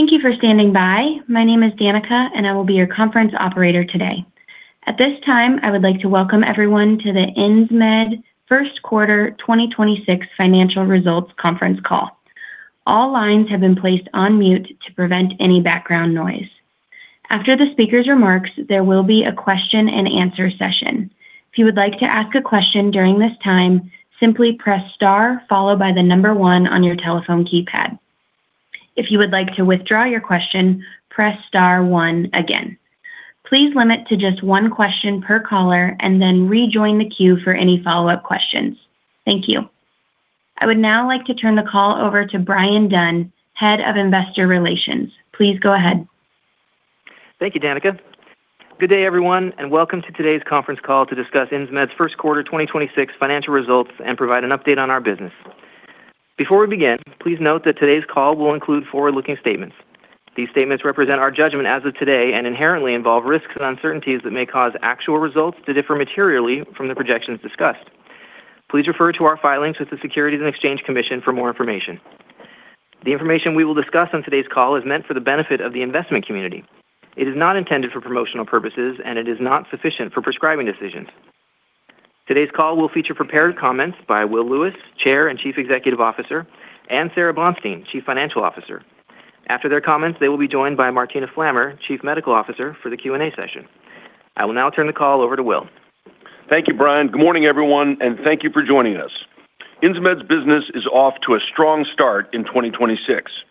Thank you for standing by. My name is Danica, and I will be your conference operator today. At this time, I would like to welcome everyone to the Insmed Q1 2026 Financial Results Conference Call. All lines have been placed on mute to prevent any background noise. After the speaker's remarks, there will be a question-and-answer session. If you would like to ask a question during this time, simply press star followed by the number one on your telephone keypad. If you would like to withdraw your question, press star one again. Please limit to just one question per caller and then rejoin the queue for any follow-up questions. Thank you. I would now like to turn the call over to Bryan Dunn, Head of Investor Relations. Please go ahead. Thank you, Danica. Good day, everyone, and welcome to today's conference call to discuss Insmed's Q1 2026 financial results and provide an update on our business. Before we begin, please note that today's call will include forward-looking statements. These statements represent our judgment as of today and inherently involve risks and uncertainties that may cause actual results to differ materially from the projections discussed. Please refer to our filings with the Securities and Exchange Commission for more information. The information we will discuss on today's call is meant for the benefit of the investment community. It is not intended for promotional purposes, and it is not sufficient for prescribing decisions. Today's call will feature prepared comments by Will Lewis, Chair and Chief Executive Officer, and Sara Bonstein, Chief Financial Officer. After their comments, they will be joined by Martina Flammer, Chief Medical Officer, for the Q&A session. I will now turn the call over to Will. Thank you, Bryan. Good morning, everyone, and thank you for joining us. Insmed's business is off to a strong start in 2026.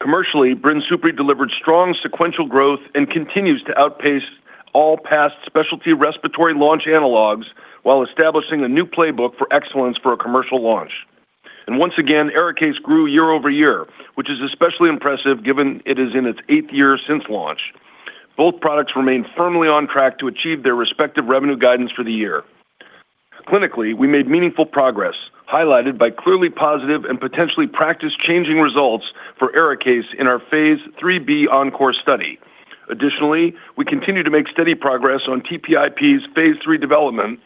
Commercially, BRINSUPRI delivered strong sequential growth and continues to outpace all past specialty respiratory launch analogs while establishing a new playbook for excellence for a commercial launch. Once again, ARIKAYCE grew year over year, which is especially impressive given it is in its eighth year since launch. Both products remain firmly on track to achieve their respective revenue guidance for the year. Clinically, we made meaningful progress, highlighted by clearly positive and potentially practice-changing results for ARIKAYCE in our phase IIIb ENCORE study. We continue to make steady progress on TPIP's phase III development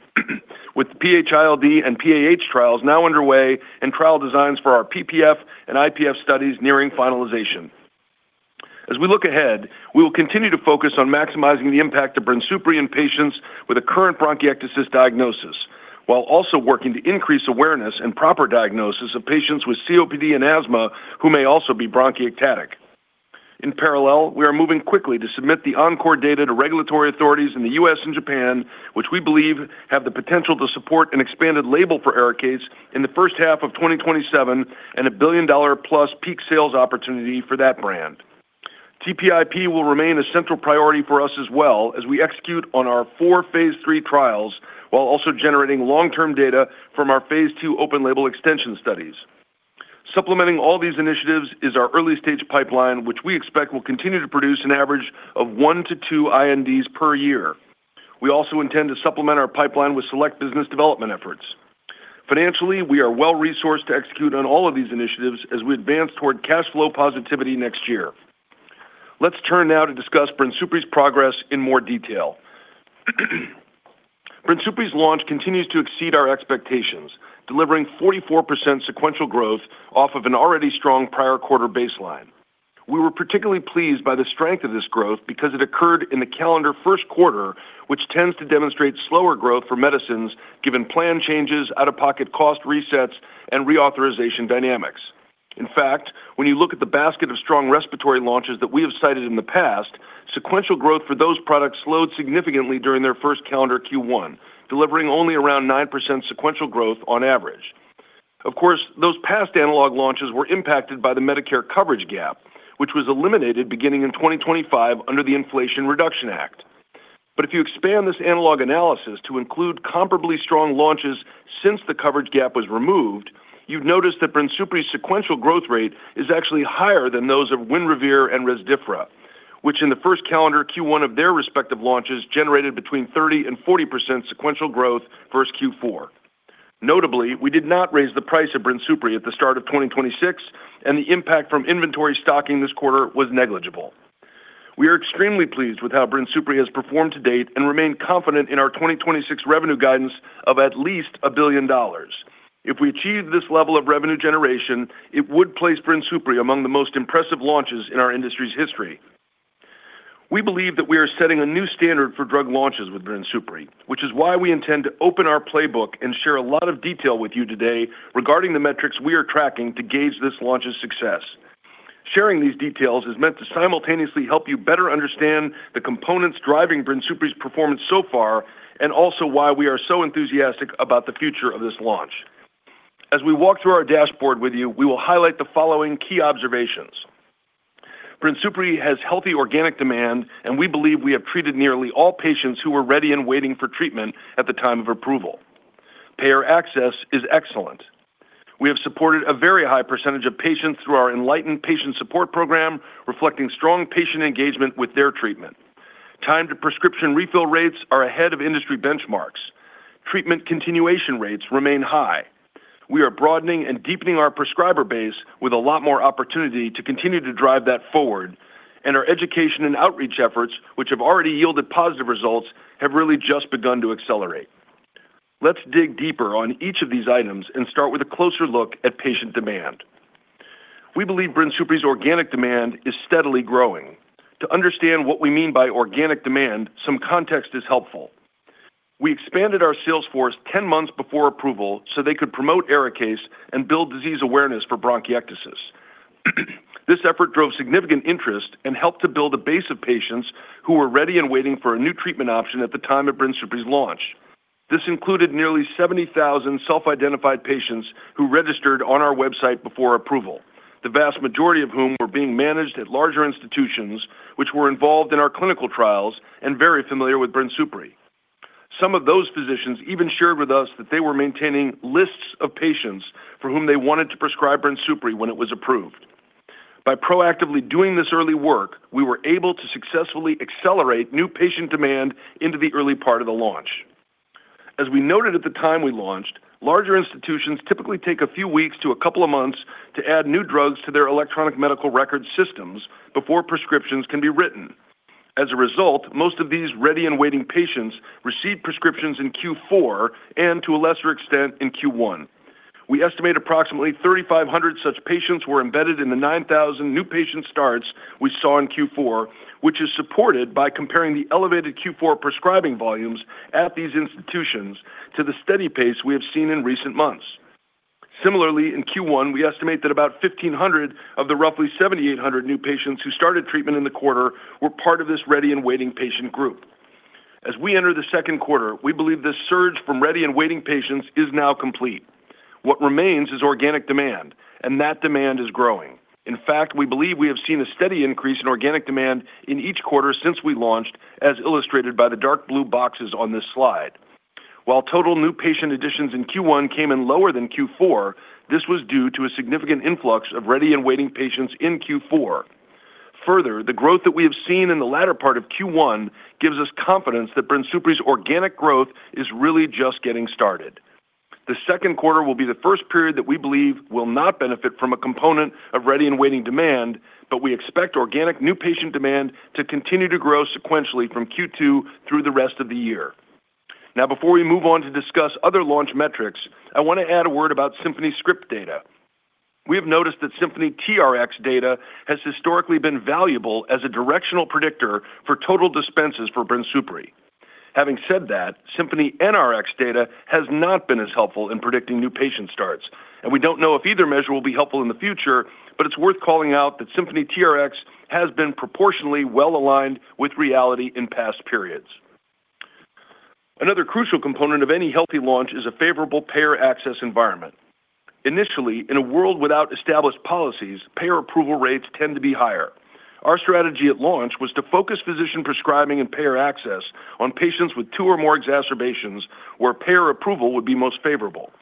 with PH-ILD and PAH trials now underway and trial designs for our PPF and IPF studies nearing finalization. As we look ahead, we will continue to focus on maximizing the impact of BRINSUPRI in patients with a current bronchiectasis diagnosis while also working to increase awareness and proper diagnosis of patients with COPD and asthma who may also be bronchiectasis. In parallel, we are moving quickly to submit the ENCORE data to regulatory authorities in the U.S. and Japan, which we believe have the potential to support an expanded label for ARIKAYCE in the first half of 2027 and a $1 billion+ peak sales opportunity for that brand. TPIP will remain a central priority for us as well as we execute on our 4 Phase III trials while also generating long-term data from our Phase II open label extension studies. Supplementing all these initiatives is our early-stage pipeline, which we expect will continue to produce an average of one to two INDs per year. We also intend to supplement our pipeline with select business development efforts. Financially, we are well-resourced to execute on all of these initiatives as we advance toward cash flow positivity next year. Let's turn now to discuss BRINSUPRI's progress in more detail. BRINSUPRI's launch continues to exceed our expectations, delivering 44% sequential growth off of an already strong prior quarter baseline. We were particularly pleased by the strength of this growth because it occurred in the calendar Q1, which tends to demonstrate slower growth for medicines given plan changes, out-of-pocket cost resets, and reauthorization dynamics. In fact, when you look at the basket of strong respiratory launches that we have cited in the past, sequential growth for those products slowed significantly during their first calendar Q1, delivering only around 9% sequential growth on average. Of course, those past analog launches were impacted by the Medicare coverage gap, which was eliminated beginning in 2025 under the Inflation Reduction Act. If you expand this analog analysis to include comparably strong launches since the coverage gap was removed, you'd notice that BRINSUPRI's sequential growth rate is actually higher than those of WINREVAIR and REZDIFFRA, which in the first calendar Q1 of their respective launches generated between 30% and 40% sequential growth versus Q4. Notably, we did not raise the price of BRINSUPRI at the start of 2026, and the impact from inventory stocking this quarter was negligible. We are extremely pleased with how BRINSUPRI has performed to date and remain confident in our 2026 revenue guidance of at least $1 billion. If we achieve this level of revenue generation, it would place BRINSUPRI among the most impressive launches in our industry's history. We believe that we are setting a new standard for drug launches with BRINSUPRI, which is why we intend to open our playbook and share a lot of detail with you today regarding the metrics we are tracking to gauge this launch's success. Sharing these details is meant to simultaneously help you better understand the components driving BRINSUPRI's performance so far and also why we are so enthusiastic about the future of this launch. As we walk through our dashboard with you, we will highlight the following key observations. BRINSUPRI has healthy organic demand, and we believe we have treated nearly all patients who were ready and waiting for treatment at the time of approval. Payer access is excellent. We have supported a very high percentage of patients through our inLighten Patient Support program, reflecting strong patient engagement with their treatment. Time to prescription refill rates are ahead of industry benchmarks. Treatment continuation rates remain high. We are broadening and deepening our prescriber base with a lot more opportunity to continue to drive that forward. Our education and outreach efforts, which have already yielded positive results, have really just begun to accelerate. Let's dig deeper on each of these items and start with a closer look at patient demand. We believe BRINSUPRI's organic demand is steadily growing. To understand what we mean by organic demand, some context is helpful. We expanded our sales force 10 months before approval so they could promote ARIKAYCE and build disease awareness for bronchiectasis. This effort drove significant interest and helped to build a base of patients who were ready and waiting for a new treatment option at the time of BRINSUPRI's launch. This included nearly 70,000 self-identified patients who registered on our website before approval, the vast majority of whom were being managed at larger institutions which were involved in our clinical trials and very familiar with BRINSUPRI. Some of those physicians even shared with us that they were maintaining lists of patients for whom they wanted to prescribe BRINSUPRI when it was approved. By proactively doing this early work, we were able to successfully accelerate new patient demand into the early part of the launch. As we noted at the time we launched, larger institutions typically take a few weeks to a couple of months to add new drugs to their electronic medical record systems before prescriptions can be written. As a result, most of these ready and waiting patients received prescriptions in Q4 and to a lesser extent in Q1. We estimate approximately 3,500 such patients were embedded in the 9,000 new patient starts we saw in Q4, which is supported by comparing the elevated Q4 prescribing volumes at these institutions to the steady pace we have seen in recent months. Similarly, in Q1, we estimate that about 1,500 of the roughly 7,800 new patients who started treatment in the quarter were part of this ready and waiting patient group. As we enter the Q2, we believe this surge from ready and waiting patients is now complete. What remains is organic demand, and that demand is growing. In fact, we believe we have seen a steady increase in organic demand in each quarter since we launched as illustrated by the dark blue boxes on this slide. While total new patient additions in Q1 came in lower than Q4, this was due to a significant influx of ready and waiting patients in Q4. The growth that we have seen in the latter part of Q1 gives us confidence that BRINSUPRI's organic growth is really just getting started. The Q2 will be the first period that we believe will not benefit from a component of ready and waiting demand, but we expect organic new patient demand to continue to grow sequentially from Q2 through the rest of the year. Before we move on to discuss other launch metrics, I want to add a word about Symphony script data. We have noticed that Symphony TRx data has historically been valuable as a directional predictor for total dispenses for BRINSUPRI. Having said that, Symphony NRx data has not been as helpful in predicting new patient starts. We don't know if either measure will be helpful in the future, but it's worth calling out that Symphony TRx has been proportionally well aligned with reality in past periods. Another crucial component of any healthy launch is a favorable payer access environment. Initially, in a world without established policies, payer approval rates tend to be higher. Our strategy at launch was to focus physician prescribing and payer access on patients with two or more exacerbations where payer approval would be most favorable.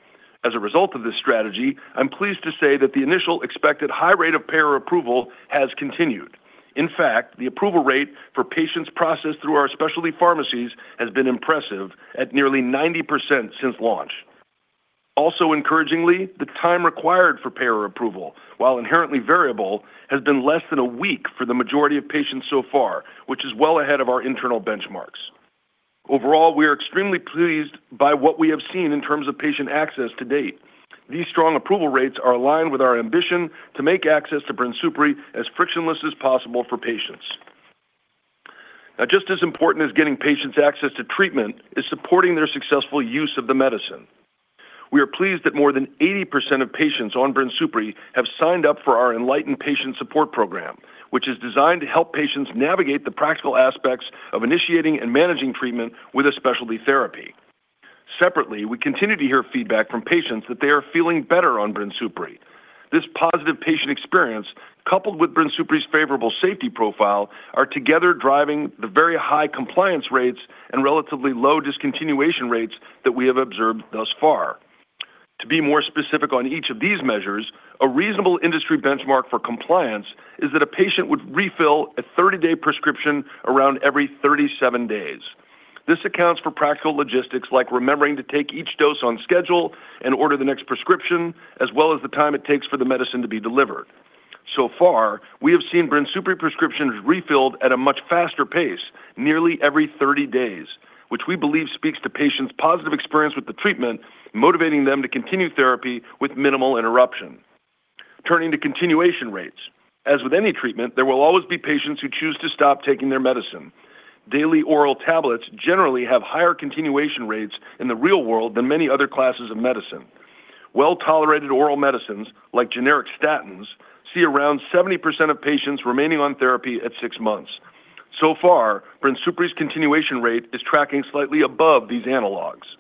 As a result of this strategy, I'm pleased to say that the initial expected high rate of payer approval has continued. In fact, the approval rate for patients processed through our specialty pharmacies has been impressive at nearly 90% since launch. Encouragingly, the time required for payer approval, while inherently variable, has been less than a week for the majority of patients so far, which is well ahead of our internal benchmarks. Overall, we are extremely pleased by what we have seen in terms of patient access to date. These strong approval rates are aligned with our ambition to make access to BRINSUPRI as frictionless as possible for patients. Just as important as getting patients access to treatment is supporting their successful use of the medicine. We are pleased that more than 80% of patients on BRINSUPRI have signed up for our inLighten Patient Support program, which is designed to help patients navigate the practical aspects of initiating and managing treatment with a specialty therapy. Separately, we continue to hear feedback from patients that they are feeling better on BRINSUPRI. This positive patient experience, coupled with BRINSUPRI's favorable safety profile, are together driving the very high compliance rates and relatively low discontinuation rates that we have observed thus far. To be more specific on each of these measures, a reasonable industry benchmark for compliance is that a patient would refill a 30-day prescription around every 37 days. This accounts for practical logistics like remembering to take each dose on schedule and order the next prescription, as well as the time it takes for the medicine to be delivered. So far, we have seen BRINSUPRI prescriptions refilled at a much faster pace nearly every 30 days, which we believe speaks to patients' positive experience with the treatment, motivating them to continue therapy with minimal interruption. Turning to continuation rates. As with any treatment, there will always be patients who choose to stop taking their medicine. Daily oral tablets generally have higher continuation rates in the real world than many other classes of medicine. Well-tolerated oral medicines, like generic statins, see around 70% of patients remaining on therapy at six months. So far, BRINSUPRI's continuation rate is tracking slightly above these analogs.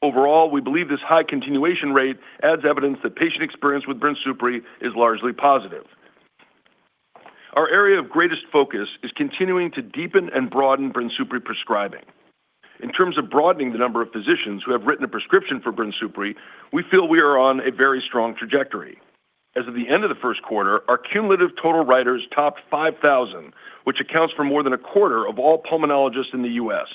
Overall, we believe this high continuation rate adds evidence that patient experience with BRINSUPRI is largely positive. Our area of greatest focus is continuing to deepen and broaden BRINSUPRI prescribing. In terms of broadening the number of physicians who have written a prescription for BRINSUPRI, we feel we are on a very strong trajectory. As of the end of Q1, our cumulative total writers topped 5,000, which accounts for more than a quarter of all pulmonologists in the U.S..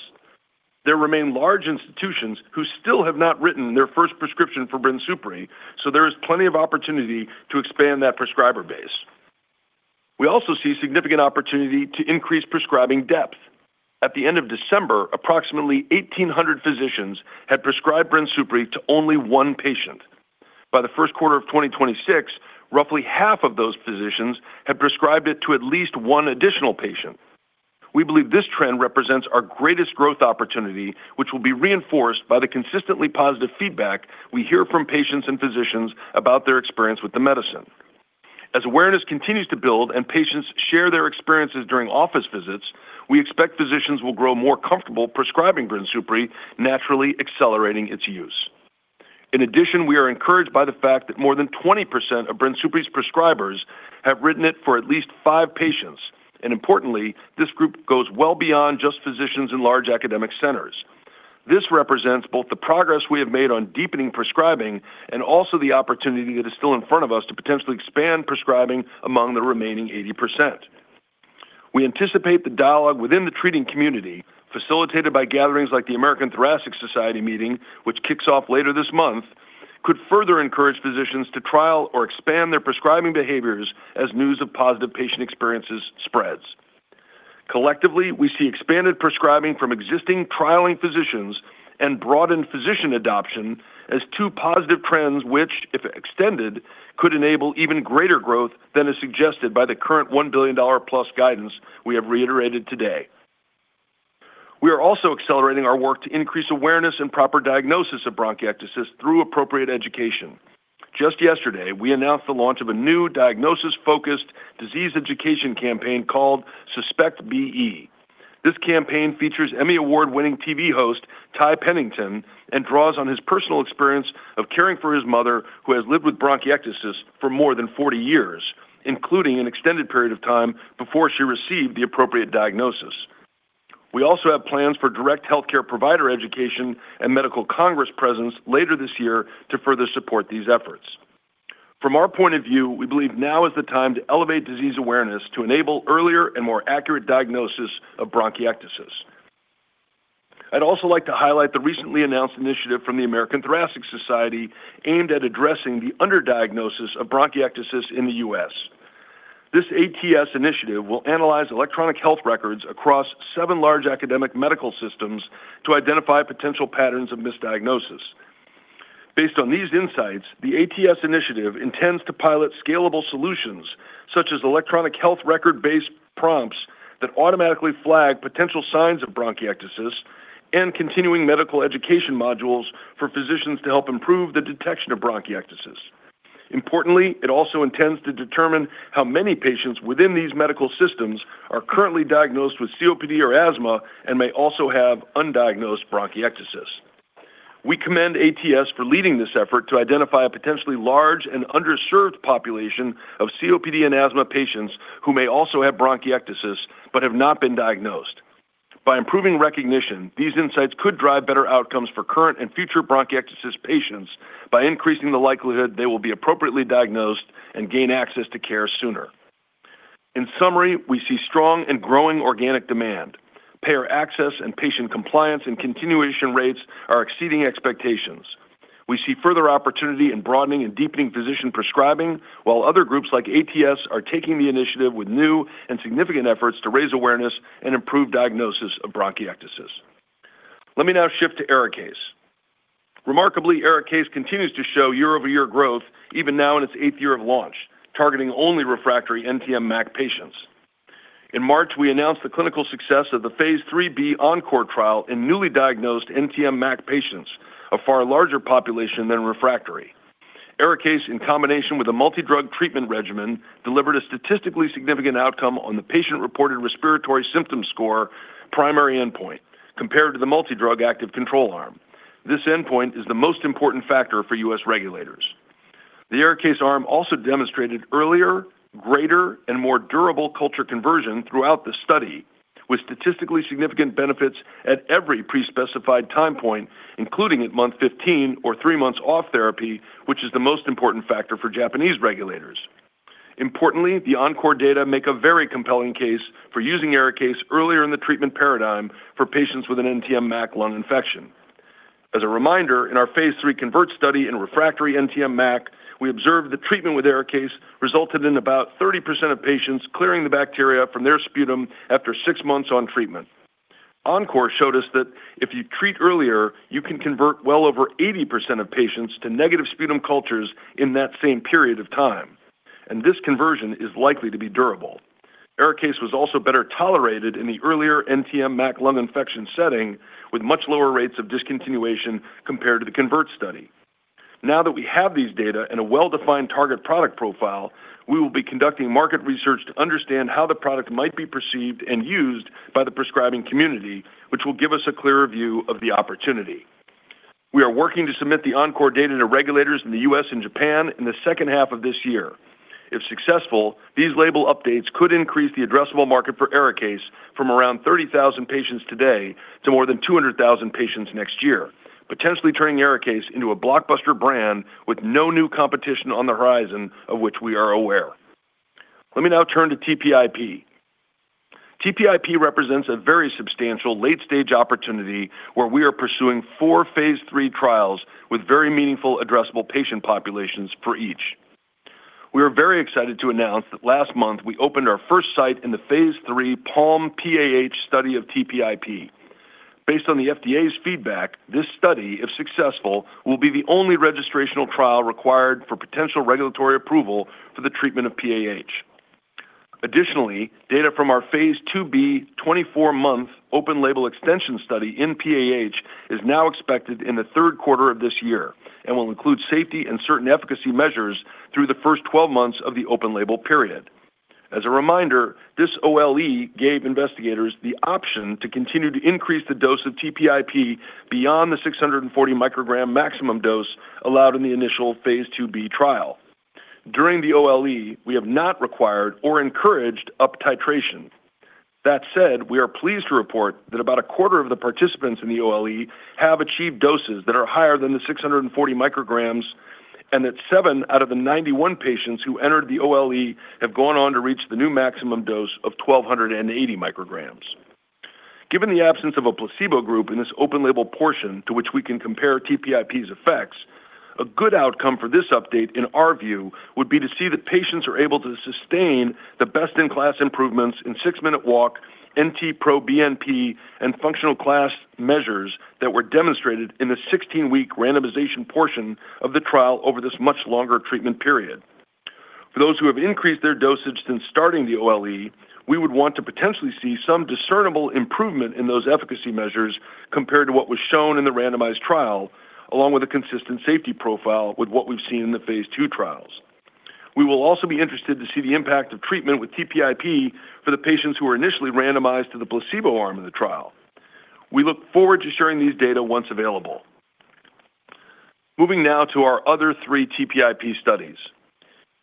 There remain large institutions who still have not written their first prescription for BRINSUPRI, so there is plenty of opportunity to expand that prescriber base. We also see significant opportunity to increase prescribing depth. At the end of December, approximately 1,800 physicians had prescribed BRINSUPRI to only one patient. By the Q1 of 2026, roughly half of those physicians have prescribed it to at least one additional patient. We believe this trend represents our greatest growth opportunity, which will be reinforced by the consistently positive feedback we hear from patients and physicians about their experience with the medicine. As awareness continues to build and patients share their experiences during office visits, we expect physicians will grow more comfortable prescribing BRINSUPRI, naturally accelerating its use. In addition, we are encouraged by the fact that more than 20% of BRINSUPRI's prescribers have written it for at least five patients, and importantly, this group goes well beyond just physicians in large academic centers. This represents both the progress we have made on deepening prescribing and also the opportunity that is still in front of us to potentially expand prescribing among the remaining 80%. We anticipate the dialogue within the treating community, facilitated by gatherings like the American Thoracic Society meeting, which kicks off later this month, could further encourage physicians to trial or expand their prescribing behaviors as news of positive patient experiences spreads. Collectively, we see expanded prescribing from existing trialing physicians and broadened physician adoption as two positive trends which, if extended, could enable even greater growth than is suggested by the current $1 billion+ guidance we have reiterated today. We are also accelerating our work to increase awareness and proper diagnosis of bronchiectasis through appropriate education. Just yesterday, we announced the launch of a new diagnosis-focused disease education campaign called Suspect BE. This campaign features Emmy Award-winning TV host Ty Pennington and draws on his personal experience of caring for his mother, who has lived with bronchiectasis for more than 40 years, including an extended period of time before she received the appropriate diagnosis. We also have plans for direct healthcare provider education and medical congress presence later this year to further support these efforts. From our point of view, we believe now is the time to elevate disease awareness to enable earlier and more accurate diagnosis of bronchiectasis. I'd also like to highlight the recently announced initiative from the American Thoracic Society aimed at addressing the underdiagnosis of bronchiectasis in the U.S. This ATS initiative will analyze electronic health records across seven large academic medical systems to identify potential patterns of misdiagnosis. Based on these insights, the ATS initiative intends to pilot scalable solutions such as electronic health record-based prompts that automatically flag potential signs of bronchiectasis and continuing medical education modules for physicians to help improve the detection of bronchiectasis. Importantly, it also intends to determine how many patients within these medical systems are currently diagnosed with COPD or asthma and may also have undiagnosed bronchiectasis. We commend ATS for leading this effort to identify a potentially large and underserved population of COPD and asthma patients who may also have bronchiectasis but have not been diagnosed. By improving recognition, these insights could drive better outcomes for current and future bronchiectasis patients by increasing the likelihood they will be appropriately diagnosed and gain access to care sooner. In summary, we see strong and growing organic demand. Payer access and patient compliance and continuation rates are exceeding expectations. We see further opportunity in broadening and deepening physician prescribing, while other groups like ATS are taking the initiative with new and significant efforts to raise awareness and improve diagnosis of bronchiectasis. Let me now shift to ARIKAYCE. Remarkably, ARIKAYCE continues to show year-over-year growth even now in its eighth year of launch, targeting only refractory NTM MAC patients. In March, we announced the clinical success of the phase IIIb ENCORE trial in newly diagnosed NTM MAC patients, a far larger population than refractory. ARIKAYCE, in combination with a multidrug treatment regimen, delivered a statistically significant outcome on the patient-reported respiratory symptom score primary endpoint compared to the multidrug active control arm. This endpoint is the most important factor for U.S. regulators. The ARIKAYCE arm also demonstrated earlier, greater, and more durable culture conversion throughout the study, with statistically significant benefits at every pre-specified time point, including at month 15 or three months off therapy, which is the most important factor for Japanese regulators. Importantly, the ENCORE data make a very compelling case for using ARIKAYCE earlier in the treatment paradigm for patients with an NTM MAC lung infection. As a reminder, in our phase III CONVERT study in refractory NTM MAC, we observed that treatment with ARIKAYCE resulted in about 30% of patients clearing the bacteria from their sputum after six months on treatment. ENCORE showed us that if you treat earlier, you can convert well over 80% of patients to negative sputum cultures in that same period of time, and this conversion is likely to be durable. ARIKAYCE was also better tolerated in the earlier NTM MAC lung infection setting, with much lower rates of discontinuation compared to the CONVERT study. Now that we have these data and a well-defined target product profile, we will be conducting market research to understand how the product might be perceived and used by the prescribing community, which will give us a clearer view of the opportunity. We are working to submit the ENCORE data to regulators in the U.S. and Japan in H2 of this year. If successful, these label updates could increase the addressable market for ARIKAYCE from around 30,000 patients today to more than 200,000 patients next year, potentially turning ARIKAYCE into a blockbuster brand with no new competition on the horizon of which we are aware. Let me now turn to TPIP. TPIP represents a very substantial late-stage opportunity where we are pursuing four phase III trials with very meaningful addressable patient populations for each. We are very excited to announce that last month we opened our first site in the phase III PALM-PAH study of TPIP. Based on the FDA's feedback, this study, if successful, will be the only registrational trial required for potential regulatory approval for the treatment of PAH. Additionally, data from our phase II-B 24-month open label extension study in PAH is now expected in Q3 of this year and will include safety and certain efficacy measures through the first 12 months of the open label period. As a reminder, this OLE gave investigators the option to continue to increase the dose of TPIP beyond the 640 microgram maximum dose allowed in the initial phase II-B trial. During the OLE, we have not required or encouraged uptitration. That said, we are pleased to report that about a quarter of the participants in the OLE have achieved doses that are higher than the 640 micrograms, and that seven out of the 91 patients who entered the OLE have gone on to reach the new maximum dose of 1,280 micrograms. Given the absence of a placebo group in this open label portion to which we can compare TPIP's effects, a good outcome for this update in our view, would be to see that patients are able to sustain the best-in-class improvements in six-minute walk, NT-proBNP, and functional class measures that were demonstrated in the 16-week randomization portion of the trial over this much longer treatment period. For those who have increased their dosage since starting the OLE, we would want to potentially see some discernible improvement in those efficacy measures compared to what was shown in the randomized trial, along with a consistent safety profile with what we've seen in the phase II trials. We will also be interested to see the impact of treatment with TPIP for the patients who were initially randomized to the placebo arm of the trial. We look forward to sharing these data once available. Moving now to our other three TPIP studies.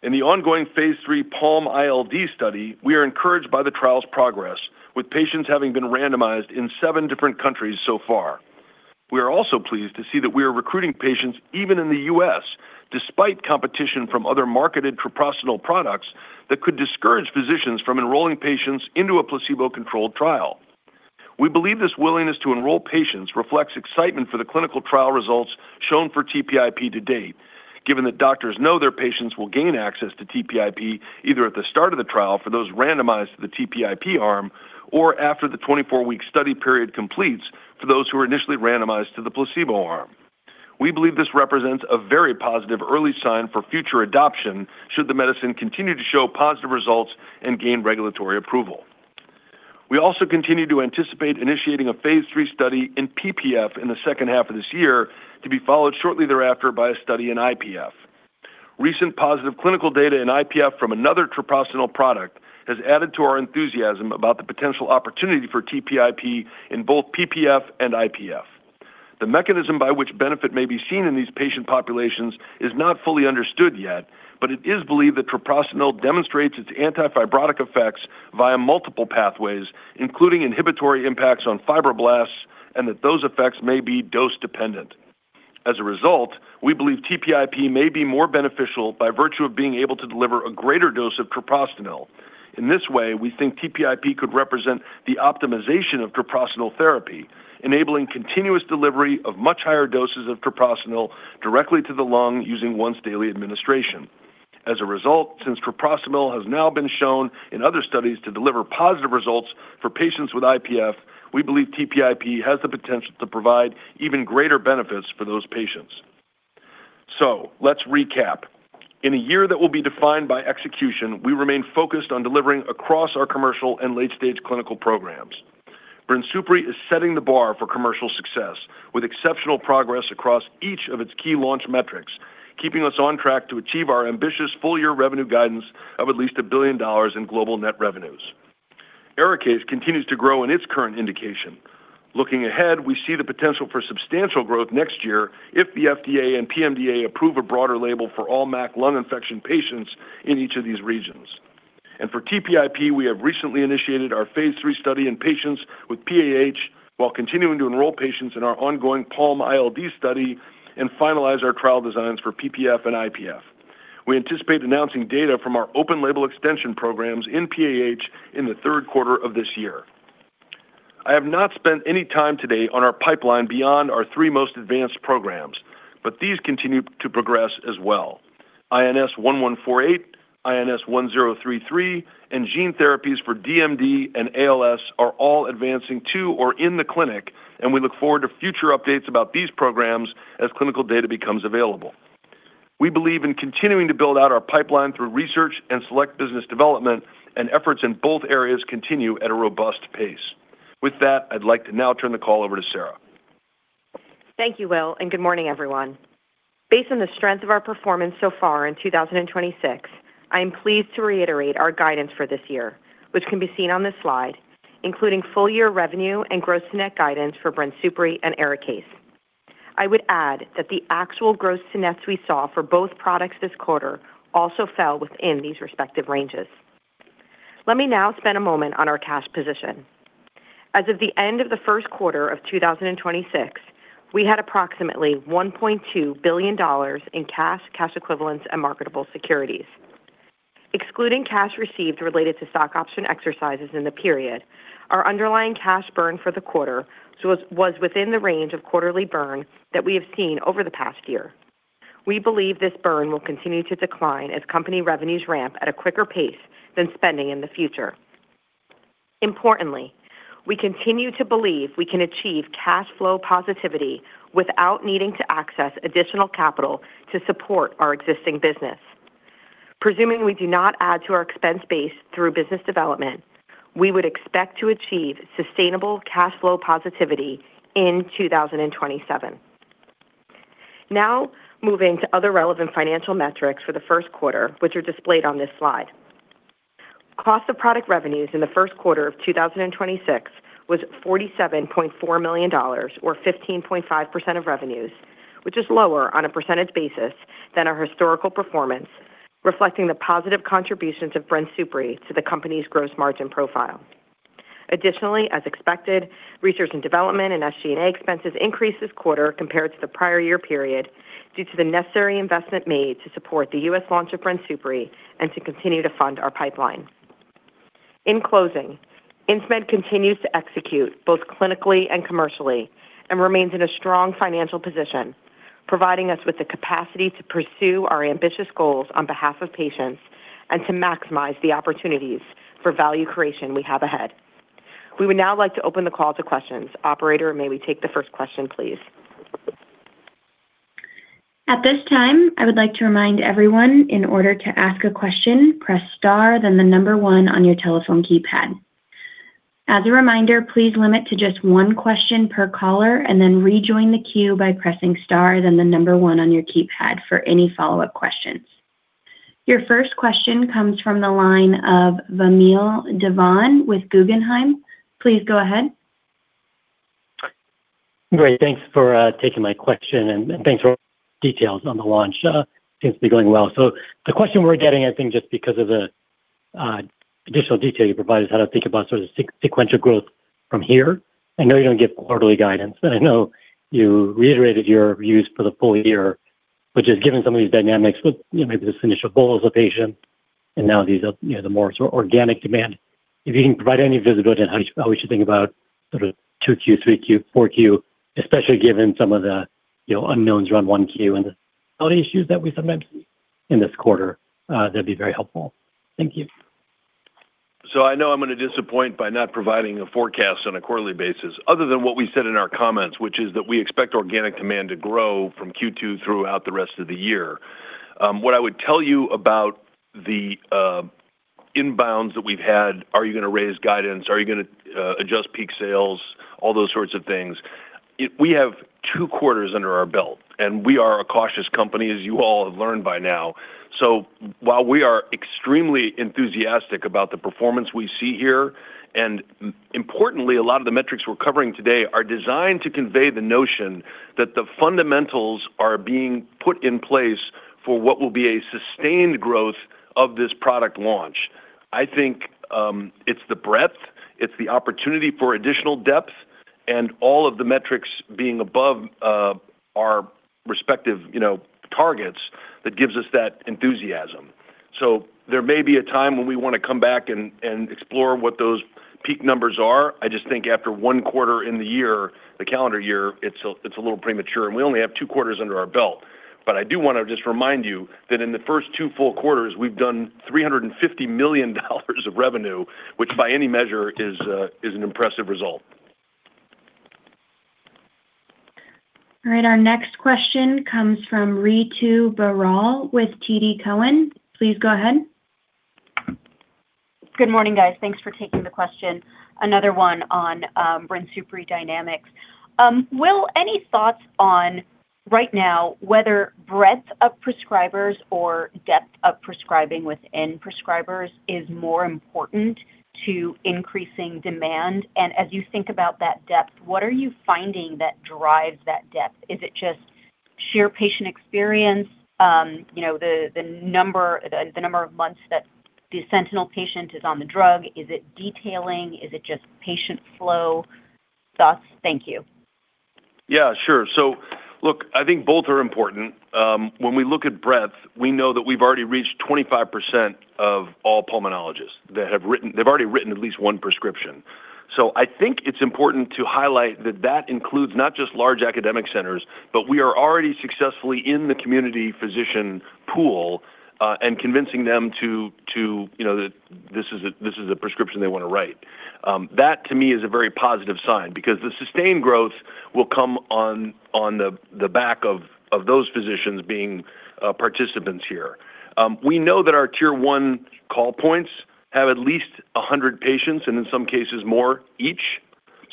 In the ongoing phase III PALM-ILD study, we are encouraged by the trial's progress with patients having been randomized in seven different countries so far. We are also pleased to see that we are recruiting patients even in the U.S. despite competition from other marketed treprostinil products that could discourage physicians from enrolling patients into a placebo-controlled trial. We believe this willingness to enroll patients reflects excitement for the clinical trial results shown for TPIP to date, given that doctors know their patients will gain access to TPIP either at the start of the trial for those randomized to the TPIP arm or after the 24-week study period completes for those who are initially randomized to the placebo arm. We believe this represents a very positive early sign for future adoption should the medicine continue to show positive results and gain regulatory approval. We also continue to anticipate initiating a phase III study in PPF in the H2 of this year to be followed shortly thereafter by a study in IPF. Recent positive clinical data in IPF from another treprostinil product has added to our enthusiasm about the potential opportunity for TPIP in both PPF and IPF. The mechanism by which benefit may be seen in these patient populations is not fully understood yet, but it is believed that treprostinil demonstrates its anti-fibrotic effects via multiple pathways, including inhibitory impacts on fibroblasts, and that those effects may be dose-dependent. As a result, we believe TPIP may be more beneficial by virtue of being able to deliver a greater dose of treprostinil. In this way, we think TPIP could represent the optimization of treprostinil therapy, enabling continuous delivery of much higher doses of treprostinil directly to the lung using once-daily administration. As a result, since treprostinil has now been shown in other studies to deliver positive results for patients with IPF, we believe TPIP has the potential to provide even greater benefits for those patients. Let's recap. In a year that will be defined by execution, we remain focused on delivering across our commercial and late-stage clinical programs. BRINSUPRI is setting the bar for commercial success with exceptional progress across each of its key launch metrics, keeping us on track to achieve our ambitious full-year revenue guidance of at least $1 billion in global net revenues. ARIKAYCE continues to grow in its current indication. Looking ahead, we see the potential for substantial growth next year if the FDA and PMDA approve a broader label for all MAC lung infection patients in each of these regions. For TPIP, we have recently initiated our phase III study in patients with PAH while continuing to enroll patients in our ongoing PALM-ILD study and finalize our trial designs for PPF and IPF. We anticipate announcing data from our open label extension programs in PAH in the Q3 of this year. I have not spent any time today on our pipeline beyond our three most advanced programs, but these continue to progress as well. INS1148, INS1033, and gene therapies for DMD and ALS are all advancing to or in the clinic, and we look forward to future updates about these programs as clinical data becomes available. We believe in continuing to build out our pipeline through research and select business development and efforts in both areas continue at a robust pace. With that, I'd like to now turn the call over to Sara. Thank you, Will. Good morning, everyone. Based on the strength of our performance so far in 2026, I am pleased to reiterate our guidance for this year, which can be seen on this slide, including full-year revenue and gross net guidance for BRINSUPRI and ARIKAYCE. I would add that the actual gross to nets we saw for both products this quarter also fell within these respective ranges. Let me now spend a moment on our cash position. As of the end of the Q1 of 2026, we had approximately $1.2 billion in cash equivalents, and marketable securities. Excluding cash received related to stock option exercises in the period, our underlying cash burn for the quarter was within the range of quarterly burn that we have seen over the past year. We believe this burn will continue to decline as company revenues ramp at a quicker pace than spending in the future. Importantly, we continue to believe we can achieve cash flow positivity without needing to access additional capital to support our existing business. Presuming we do not add to our expense base through business development, we would expect to achieve sustainable cash flow positivity in 2027. Moving to other relevant financial metrics for Q1, which are displayed on this slide. Cost of product revenues in the Q1 of 2026 was $47.4 million or 15.5% of revenues, which is lower on a percentage basis than our historical performance, reflecting the positive contributions of BRINSUPRI to the company's gross margin profile. Additionally, as expected, research and development and SG&A expenses increased this quarter compared to the prior year period due to the necessary investment made to support the U.S. launch of BRINSUPRI and to continue to fund our pipeline. In closing, Insmed continues to execute both clinically and commercially and remains in a strong financial position, providing us with the capacity to pursue our ambitious goals on behalf of patients and to maximize the opportunities for value creation we have ahead. We would now like to open the call to questions. Operator, may we take the first question, please? At this time, I would like to remind everyone in order to ask a question, press star, then the number one on your telephone keypad. As a reminder, please limit to just one question per caller and then rejoin the queue by pressing star, then the number one on your keypad for any follow-up questions. Your first question comes from the line of Vamil Divan with Guggenheim. Please go ahead. Great. Thanks for taking my question, and thanks for all the details on the launch. Seems to be going well. The question we're getting, I think, just because of the additional detail you provided, how to think about sort of sequential growth from here. I know you don't give quarterly guidance, but I know you reiterated your views for the full year, which is given some of these dynamics with, you know, maybe this initial bolus of patients and now these, you know, the more sort of organic demand. If you can provide any visibility on how we should think about sort of Q2, Q3, Q4, especially given some of the, you know, unknowns around Q1 and the quality issues that we sometimes in this quarter, that'd be very helpful. Thank you. I know I'm gonna disappoint by not providing a forecast on a quarterly basis other than what we said in our comments, which is that we expect organic demand to grow from Q2 throughout the rest of the year. What I would tell you about the inbounds that we've had, are you gonna raise guidance? Are you gonna adjust peak sales? All those sorts of things. We have two quarters under our belt, and we are a cautious company, as you all have learned by now. While we are extremely enthusiastic about the performance we see here, and importantly, a lot of the metrics we're covering today are designed to convey the notion that the fundamentals are being put in place for what will be a sustained growth of this product launch. I think, it's the breadth, it's the opportunity for additional depth, and all of the metrics being above, our respective, you know, targets that gives us that enthusiasm. There may be a time when we wanna come back and explore what those peak numbers are. I just think after one quarter in the year, the calendar year, it's a little premature, and we only have two quarters under our belt. I do wanna just remind you that in the first two full quarters, we've done $350 million of revenue, which by any measure is an impressive result. All right, our next question comes from Ritu Baral with TD Cowen. Please go ahead. Good morning, guys. Thanks for taking the question. Another one on BRINSUPRI dynamics. Will, any thoughts on right now whether breadth of prescribers or depth of prescribing within prescribers is more important to increasing demand? As you think about that depth, what are you finding that drives that depth? Is it just sheer patient experience? You know, the number of months that the sentinel patient is on the drug? Is it detailing? Is it just patient flow? Thoughts? Thank you. Yeah, sure. Look, I think both are important. When we look at breadth, we know that we've already reached 25% of all pulmonologists that have written. They've already written at least one prescription. I think it's important to highlight that that includes not just large academic centers, but we are already successfully in the community physician pool, and convincing them to, you know, that this is a prescription they wanna write. That to me is a very positive sign because the sustained growth will come on the back of those physicians being participants here. We know that our tier one call points have at least 100 patients and in some cases more each.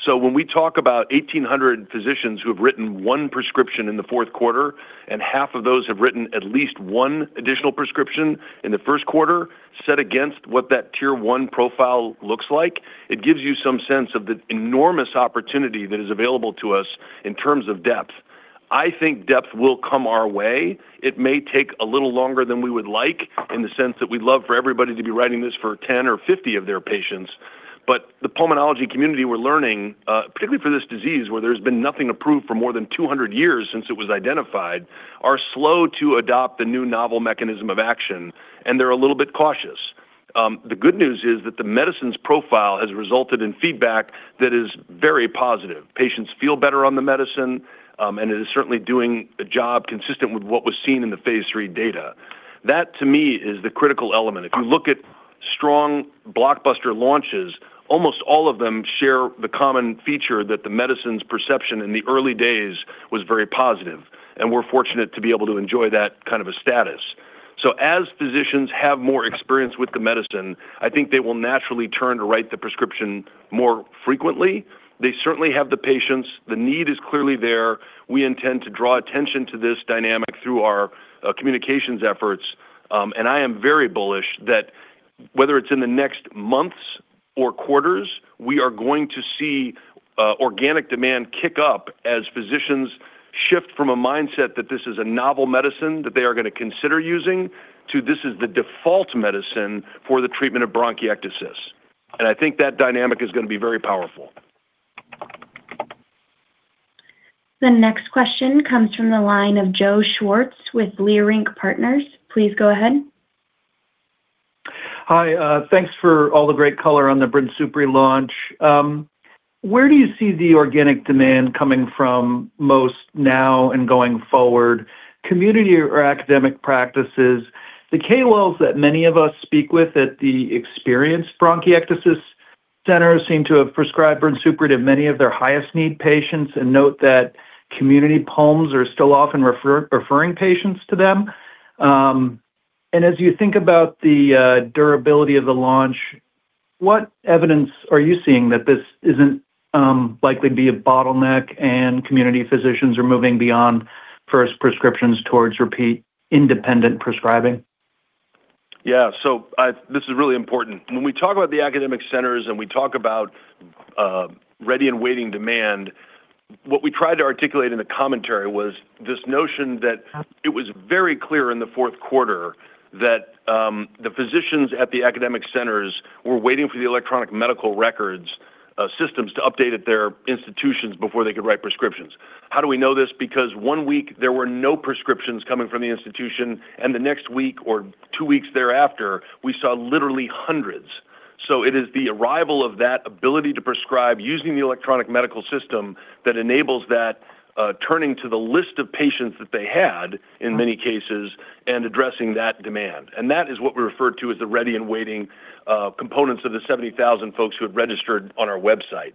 When we talk about 1,800 physicians who have written one prescription in the Q4, and half of those have written at least one additional prescription in the Q1 set against what that tier one profile looks like, it gives you some sense of the enormous opportunity that is available to us in terms of depth. I think depth will come our way. It may take a little longer than we would like in the sense that we'd love for everybody to be writing this for 10 or 50 of their patients. The pulmonology community we're learning, particularly for this disease where there's been nothing approved for more than 200 years since it was identified, are slow to adopt the new novel mechanism of action, and they're a little bit cautious. The good news is that the medicine's profile has resulted in feedback that is very positive. Patients feel better on the medicine, and it is certainly doing a job consistent with what was seen in the phase III data. That, to me, is the critical element. If you look at strong blockbuster launches, almost all of them share the common feature that the medicine's perception in the early days was very positive, and we're fortunate to be able to enjoy that kind of a status. As physicians have more experience with the medicine, I think they will naturally turn to write the prescription more frequently. They certainly have the patients. The need is clearly there. We intend to draw attention to this dynamic through our communications efforts. I am very bullish that whether it's in the next months or quarters, we are going to see organic demand kick up as physicians shift from a mindset that this is a novel medicine that they are going to consider using to this is the default medicine for the treatment of bronchiectasis. I think that dynamic is going to be very powerful. The next question comes from the line of Joseph Schwartz with Leerink Partners. Please go ahead. Hi. Thanks for all the great color on the BRINSUPRI launch. Where do you see the organic demand coming from most now and going forward, community or academic practices? The KOLs that many of us speak with at the experienced bronchiectasis centers seem to have prescribed BRINSUPRI to many of their highest need patients and note that community pulms are still often referring patients to them. As you think about the durability of the launch, what evidence are you seeing that this isn't likely to be a bottleneck and community physicians are moving beyond first prescriptions towards repeat independent prescribing? This is really important. When we talk about the academic centers and we talk about ready and waiting demand, what we tried to articulate in the commentary was this notion that it was very clear in Q4 that the physicians at the academic centers were waiting for the electronic medical records systems to update at their institutions before they could write prescriptions. How do we know this? Because one week, there were no prescriptions coming from the institution, and the next week or two weeks thereafter, we saw literally hundreds. It is the arrival of that ability to prescribe using the electronic medical system that enables that turning to the list of patients that they had in many cases and addressing that demand. That is what we refer to as the ready and waiting components of the 70,000 folks who have registered on our website.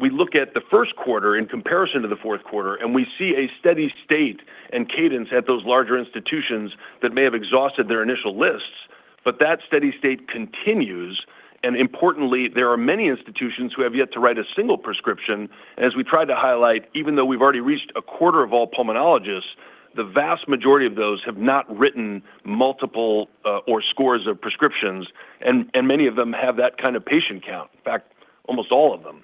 We look at Q1 in comparison to Q4, and we see a steady state and cadence at those larger institutions that may have exhausted their initial lists, but that steady state continues. Importantly, there are many institutions who have yet to write a single prescription. As we tried to highlight, even though we've already reached a quarter of all pulmonologists, the vast majority of those have not written multiple or scores of prescriptions, and many of them have that kind of patient count. In fact, almost all of them.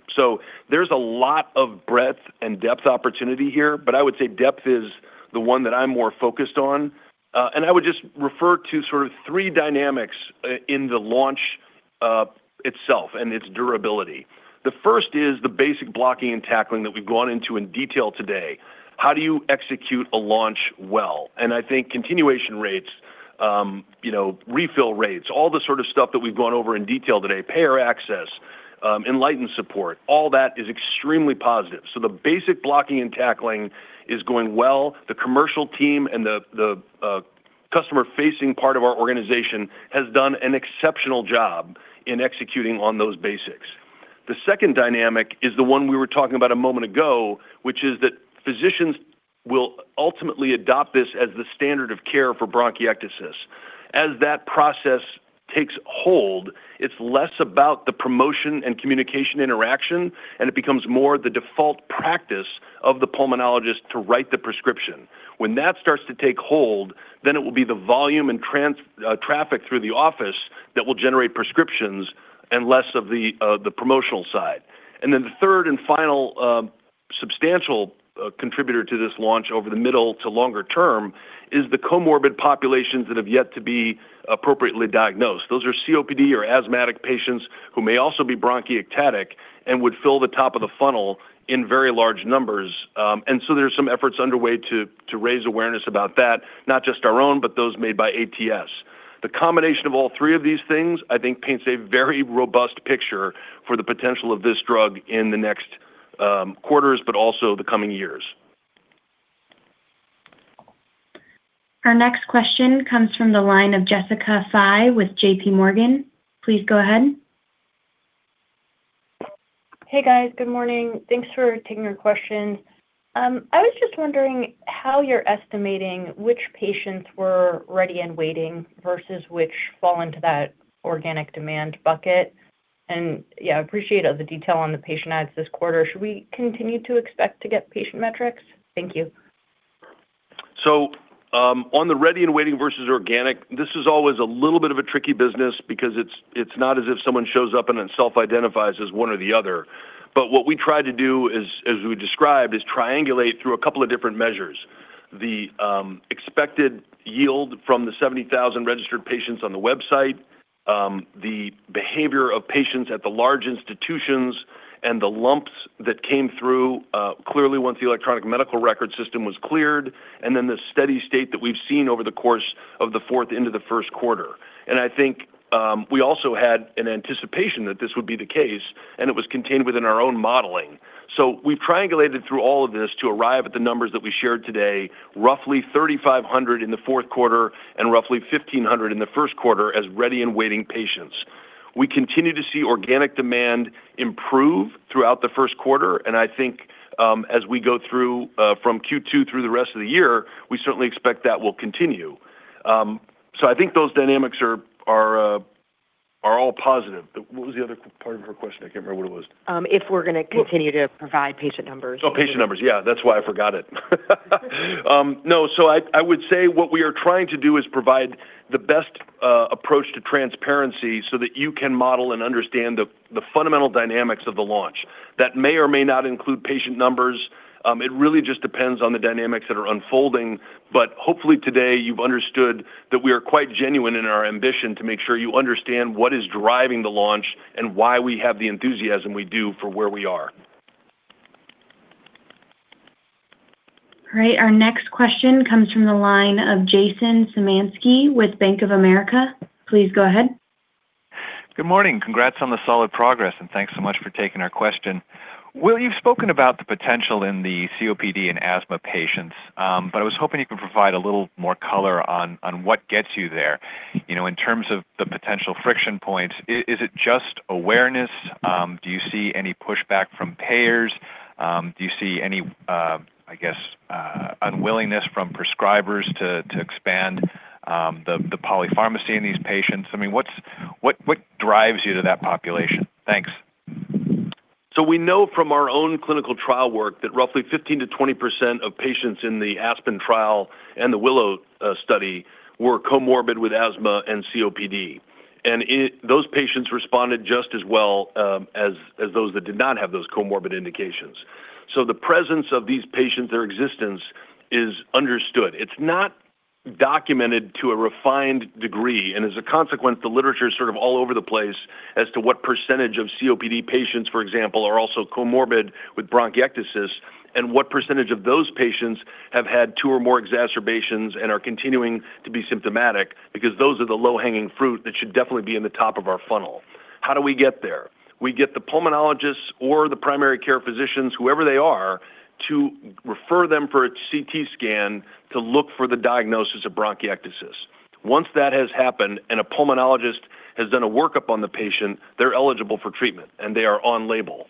There's a lot of breadth and depth opportunity here, but I would say depth is the one that I'm more focused on. I would just refer to sort of three dynamics in the launch itself and its durability. The first is the basic blocking and tackling that we've gone into in detail today. How do you execute a launch well? I think continuation rates, you know, refill rates, all the sort of stuff that we've gone over in detail today, payer access, inLighten Patient Support program, all that is extremely positive. The basic blocking and tackling is going well. The commercial team and the customer-facing part of our organization has done an exceptional job in executing on those basics. The second dynamic is the one we were talking about a moment ago, which is that physicians will ultimately adopt this as the standard of care for bronchiectasis. As that process takes hold, it's less about the promotion and communication interaction, and it becomes more the default practice of the pulmonologist to write the prescription. When that starts to take hold, then it will be the volume and trans traffic through the office that will generate prescriptions and less of the promotional side. The third and final substantial contributor to this launch over the middle to longer term is the comorbid populations that have yet to be appropriately diagnosed. Those are COPD or asthmatic patients who may also be bronchiectasis and would fill the top of the funnel in very large numbers. And so there's some efforts underway to raise awareness about that, not just our own, but those made by ATS. The combination of all three of these things, I think paints a very robust picture for the potential of this drug in the next quarters, but also the coming years. Our next question comes from the line of Jessica Fye with J.P. Morgan. Please go ahead. Hey, guys. Good morning. Thanks for taking our questions. I was just wondering how you're estimating which patients were ready and waiting versus which fall into that organic demand bucket. Yeah, appreciate all the detail on the patient adds this quarter. Should we continue to expect to get patient metrics? Thank you. On the ready and waiting versus organic, this is always a little bit of a tricky business because it's not as if someone shows up and then self-identifies as one or the other. What we try to do is, as we described, is triangulate through a couple of different measures. The expected yield from the 70,000 registered patients on the website, the behavior of patients at the large institutions and the lumps that came through, clearly once the electronic medical record system was cleared, and then the steady state that we've seen over the course of Q4 into the Q1. I think we also had an anticipation that this would be the case, and it was contained within our own modeling. We've triangulated through all of this to arrive at the numbers that we shared today, roughly 3,500 in Q4 and roughly 1,500 in Q1 as ready and waiting patients. We continue to see organic demand improve throughout the Q1. I think, as we go through, from Q2 through the rest of the year, we certainly expect that will continue. I think those dynamics are all positive. What was the other part of her question? I can't remember what it was. If we're gonna continue- Well- ....to provide patient numbers. Patient numbers. Yeah, that's why I forgot it. I would say what we are trying to do is provide the best approach to transparency so that you can model and understand the fundamental dynamics of the launch. That may or may not include patient numbers. It really just depends on the dynamics that are unfolding. Hopefully today you've understood that we are quite genuine in our ambition to make sure you understand what is driving the launch and why we have the enthusiasm we do for where we are. All right. Our next question comes from the line of Jason Gerberry with Bank of America. Please go ahead. Good morning. Congrats on the solid progress, and thanks so much for taking our question. Will, you've spoken about the potential in the COPD and asthma patients, but I was hoping you could provide a little more color on what gets you there. You know, in terms of the potential friction points, is it just awareness? Do you see any pushback from payers? Do you see any, I guess, unwillingness from prescribers to expand the polypharmacy in these patients? I mean, what drives you to that population? Thanks. We know from our own clinical trial work that roughly 15%-20% of patients in the ASPEN trial and the WILLOW study were comorbid with asthma and COPD. Those patients responded just as well as those that did not have those comorbid indications. The presence of these patients, their existence, is understood. It's not documented to a refined degree, and as a consequence, the literature is sort of all over the place as to what percentage of COPD patients, for example, are also comorbid with bronchiectasis and what percentage of those patients have had two or more exacerbations and are continuing to be symptomatic because those are the low-hanging fruit that should definitely be in the top of our funnel. How do we get there? We get the pulmonologists or the primary care physicians, whoever they are, to refer them for a CT scan to look for the diagnosis of bronchiectasis. Once that has happened and a pulmonologist has done a workup on the patient, they're eligible for treatment, and they are on-label.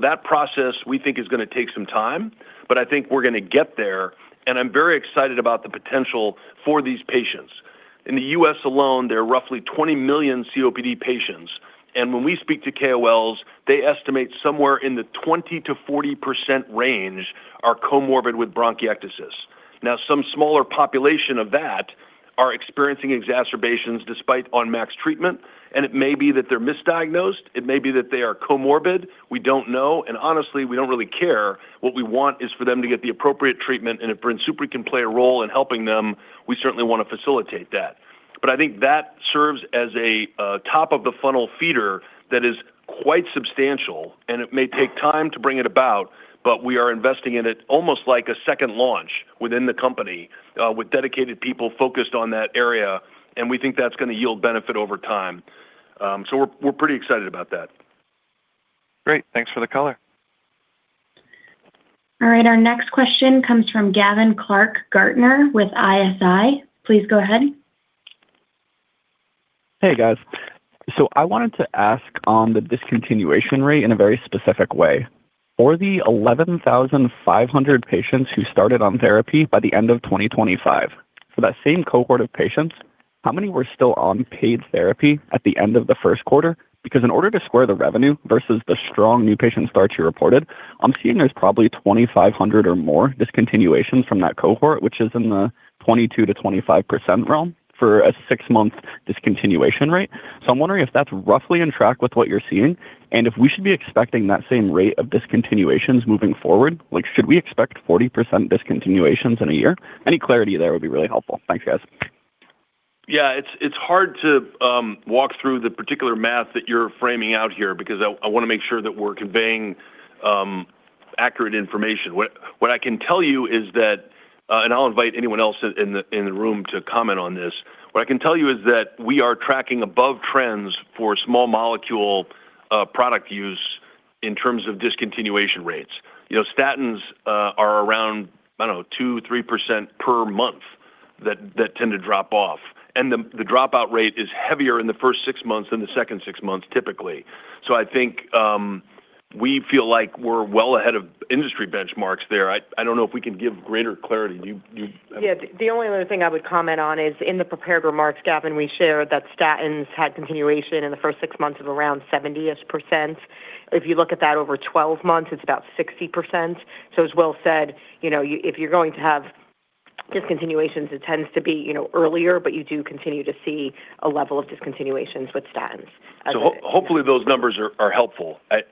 That process, we think, is gonna take some time, but I think we're gonna get there, and I'm very excited about the potential for these patients. In the U.S. alone, there are roughly 20 million COPD patients, and when we speak to KOLs, they estimate somewhere in the 20%-40% range are comorbid with bronchiectasis. Some smaller population of that are experiencing exacerbations despite on max treatment, and it may be that they're misdiagnosed, it may be that they are comorbid. We don't know, and honestly, we don't really care. What we want is for them to get the appropriate treatment, and if BRINSUPRI can play a role in helping them, we certainly wanna facilitate that. I think that serves as a top-of-the-funnel feeder that is quite substantial, and it may take time to bring it about, but we are investing in it almost like a second launch within the company, with dedicated people focused on that area, and we think that's gonna yield benefit over time. We're pretty excited about that. Great. Thanks for the color. All right. Our next question comes from Gavin Clark-Gartner with Evercore ISI. Please go ahead. Hey, guys. I wanted to ask on the discontinuation rate in a very specific way. For the 11,500 patients who started on therapy by the end of 2025, for that same cohort of patients, how many were still on paid therapy at the end of Q1? In order to square the revenue versus the strong new patient starts you reported, I'm seeing there's probably 2,500 or more discontinuations from that cohort, which is in the 22%-25% realm for a six-month discontinuation rate. I'm wondering if that's roughly on track with what you're seeing, and if we should be expecting that same rate of discontinuations moving forward. Like, should we expect 40% discontinuations in a year? Any clarity there would be really helpful. Thanks, guys. Yeah, it's hard to walk through the particular math that you're framing out here because I wanna make sure that we're conveying accurate information. What I can tell you is that, and I'll invite anyone else in the room to comment on this. What I can tell you is that we are tracking above trends for small molecule product use in terms of discontinuation rates. You know, statins are around, I don't know, 2%, 3% per month that tend to drop off, and the dropout rate is heavier in the first six months than the second six months typically. I think we feel like we're well ahead of industry benchmarks there. I don't know if we can give greater clarity. Do you have- Yeah, the only other thing I would comment on is in the prepared remarks, Gavin, we shared that statins had continuation in the first six months of around 70-ish%. If you look at that over 12 months, it's about 60%. As Will said, you know, if you're going to have discontinuations, it tends to be, you know, earlier, but you do continue to see a level of discontinuations with statins. Hopefully those numbers are helpful. I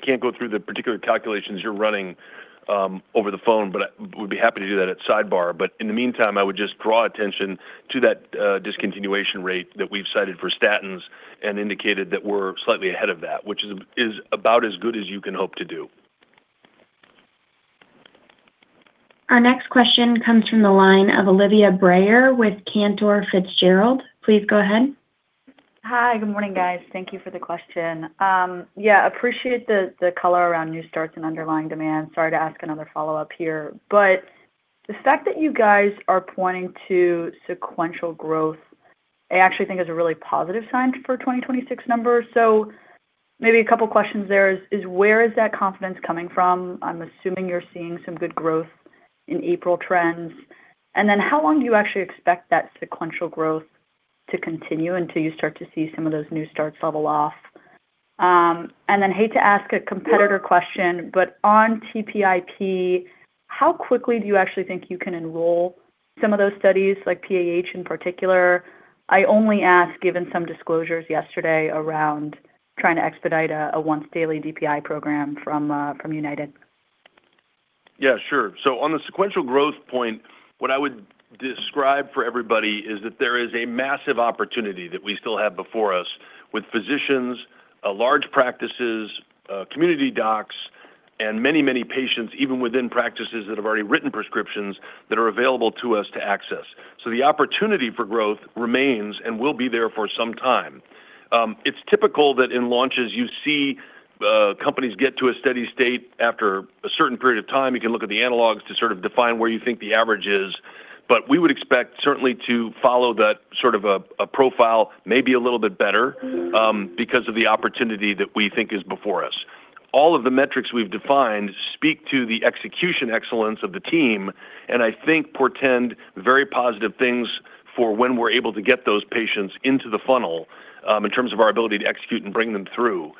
can't go through the particular calculations you're running over the phone, I would be happy to do that at sidebar. In the meantime, I would just draw attention to that discontinuation rate that we've cited for statins and indicated that we're slightly ahead of that, which is about as good as you can hope to do. Our next question comes from the line of Olivia Brayer with Cantor Fitzgerald. Please go ahead. Hi. Good morning, guys. Thank you for the question. Yeah, appreciate the color around new starts and underlying demand. Sorry to ask another follow-up here, but the fact that you guys are pointing to sequential growth, I actually think is a really positive sign for 2026 numbers. Maybe a couple questions there is where is that confidence coming from? I'm assuming you're seeing some good growth in April trends. How long do you actually expect that sequential growth to continue until you start to see some of those new starts level off? Hate to ask a competitor question, but on TPIP, how quickly do you actually think you can enroll some of those studies, like PAH in particular? I only ask given some disclosures yesterday around trying to expedite a once-daily DPI program from United Therapeutics. Yeah, sure. On the sequential growth point, what I would describe for everybody is that there is a massive opportunity that we still have before us with physicians, large practices, community docs, and many, many patients even within practices that have already written prescriptions that are available to us to access. The opportunity for growth remains and will be there for some time. It's typical that in launches you see companies get to a steady state after a certain period of time. You can look at the analogs to sort of define where you think the average is. We would expect certainly to follow that sort of a profile maybe a little bit better because of the opportunity that we think is before us. All of the metrics we've defined speak to the execution excellence of the team, and I think portend very positive things for when we're able to get those patients into the funnel, in terms of our ability to execute and bring them through.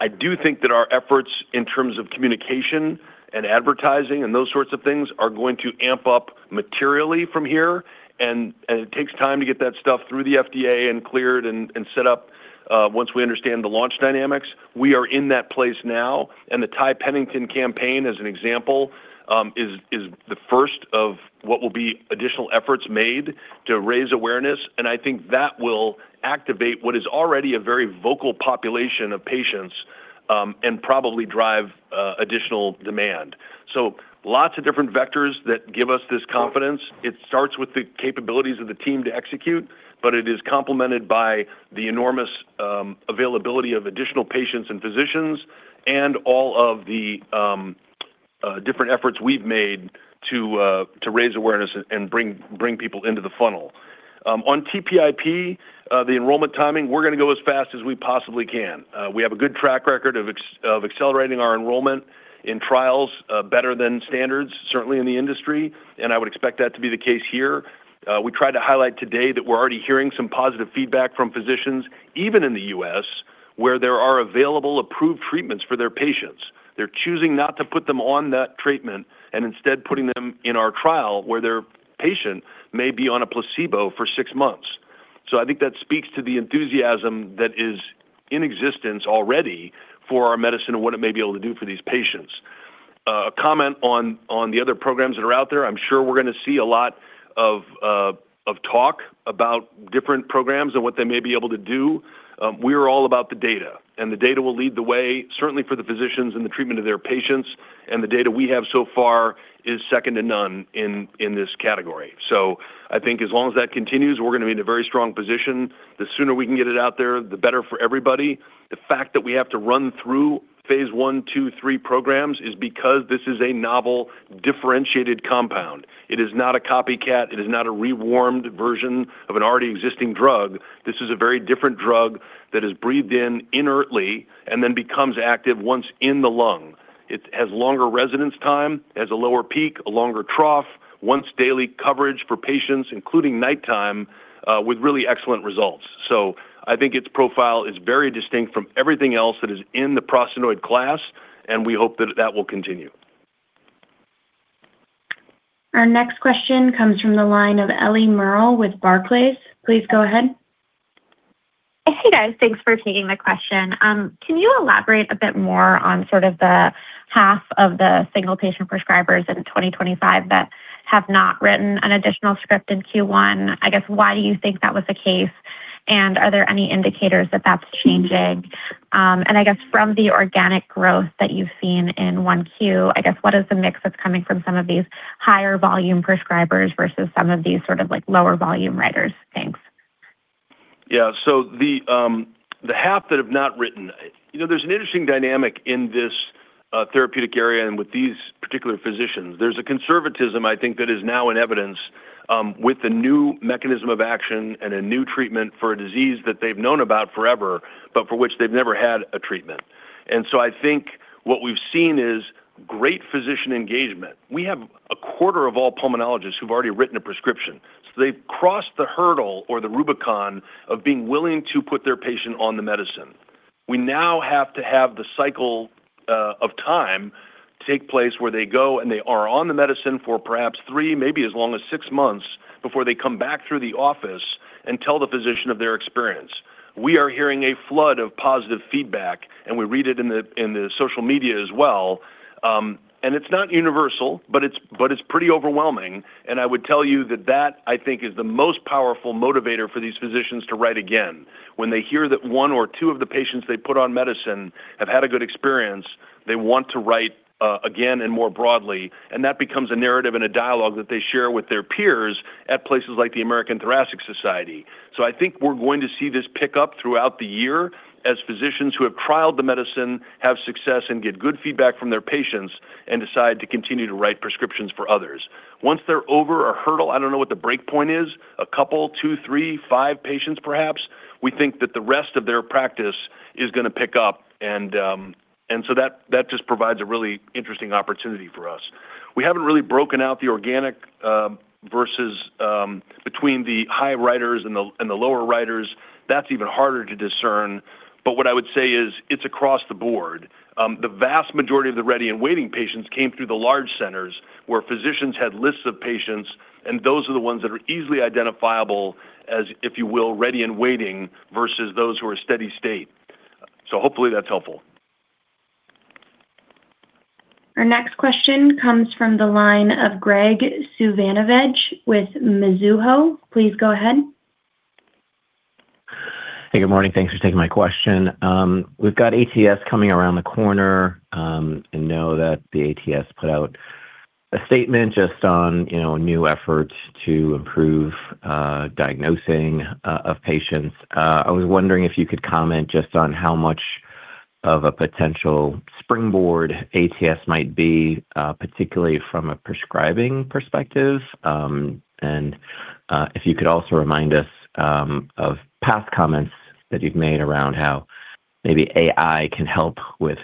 I do think that our efforts in terms of communication and advertising and those sorts of things are going to amp up materially from here and it takes time to get that stuff through the FDA and cleared and set up, once we understand the launch dynamics. We are in that place now. The Ty Pennington campaign, as an example, is the first of what will be additional efforts made to raise awareness. I think that will activate what is already a very vocal population of patients, and probably drive additional demand. Lots of different vectors that give us this confidence. It starts with the capabilities of the team to execute, but it is complemented by the enormous availability of additional patients and physicians and all of the different efforts we've made to raise awareness and bring people into the funnel. On TPIP, the enrollment timing, we're going to go as fast as we possibly can. We have a good track record of accelerating our enrollment in trials, better than standards, certainly in the industry, and I would expect that to be the case here. We tried to highlight today that we're already hearing some positive feedback from physicians, even in the U.S., where there are available approved treatments for their patients. They're choosing not to put them on that treatment and instead putting them in our trial where their patient may be on a placebo for six months. I think that speaks to the enthusiasm that is in existence already for our medicine and what it may be able to do for these patients. A comment on the other programs that are out there. I'm sure we're gonna see a lot of talk about different programs and what they may be able to do. We are all about the data, and the data will lead the way, certainly for the physicians in the treatment of their patients, and the data we have so far is second to none in this category. I think as long as that continues, we're gonna be in a very strong position. The sooner we can get it out there, the better for everybody. The fact that we have to run through phase I, II, III programs is because this is a novel differentiated compound. It is not a copycat. It is not a rewarmed version of an already existing drug. This is a very different drug that is breathed in inertly and then becomes active once in the lung. It has longer residence time, has a lower peak, a longer trough, once-daily coverage for patients, including nighttime, with really excellent results. I think its profile is very distinct from everything else that is in the prostanoid class, and we hope that that will continue. Our next question comes from the line of Ellie Merle with Barclays. Please go ahead. Hey, guys. Thanks for taking the question. Can you elaborate a bit more on sort of the half of the single patient prescribers in 2025 that have not written an additional script in Q1? I guess why do you think that was the case, are there any indicators that that's changing? I guess from the organic growth that you've seen in Q1, I guess what is the mix that's coming from some of these higher volume prescribers versus some of these sort of like lower volume writers? Thanks. Yeah. The half that have not written, you know, there's an interesting dynamic in this therapeutic area and with these particular physicians. There's a conservatism, I think, that is now in evidence with the new mechanism of action and a new treatment for a disease that they've known about forever, but for which they've never had a treatment. I think what we've seen is great physician engagement. We have a quarter of all pulmonologists who've already written a prescription, so they've crossed the hurdle or the Rubicon of being willing to put their patient on the medicine. We now have to have the cycle of time take place where they go and they are on the medicine for perhaps three, maybe as long as six months before they come back through the office and tell the physician of their experience. We are hearing a flood of positive feedback, and we read it in the social media as well. It's not universal, but it's pretty overwhelming, and I would tell you that that, I think, is the most powerful motivator for these physicians to write again. When they hear that one or two of the patients they put on medicine have had a good experience, they want to write again and more broadly, and that becomes a narrative and a dialogue that they share with their peers at places like the American Thoracic Society. I think we're going to see this pick up throughout the year as physicians who have trialed the medicine have success and get good feedback from their patients and decide to continue to write prescriptions for others. Once they're over a hurdle, I don't know what the break point is, a couple, two, three, five patients perhaps, we think that the rest of their practice is gonna pick up. That just provides a really interesting opportunity for us. We haven't really broken out the organic, versus, between the high writers and the lower writers. That's even harder to discern. What I would say is it's across the board. The vast majority of the ready and waiting patients came through the large centers where physicians had lists of patients, and those are the ones that are easily identifiable as, if you will, ready and waiting versus those who are steady state. Hopefully that's helpful. Our next question comes from the line of Graig Suvannavejh with Mizuho. Please go ahead. Hey, good morning. Thanks for taking my question. We've got ATS coming around the corner, and know that the ATS put out a statement just on, you know, new efforts to improve diagnosing of patients. I was wondering if you could comment just on how much of a potential springboard ATS might be, particularly from a prescribing perspective, and if you could also remind us of past comments that you've made around how maybe AI can help with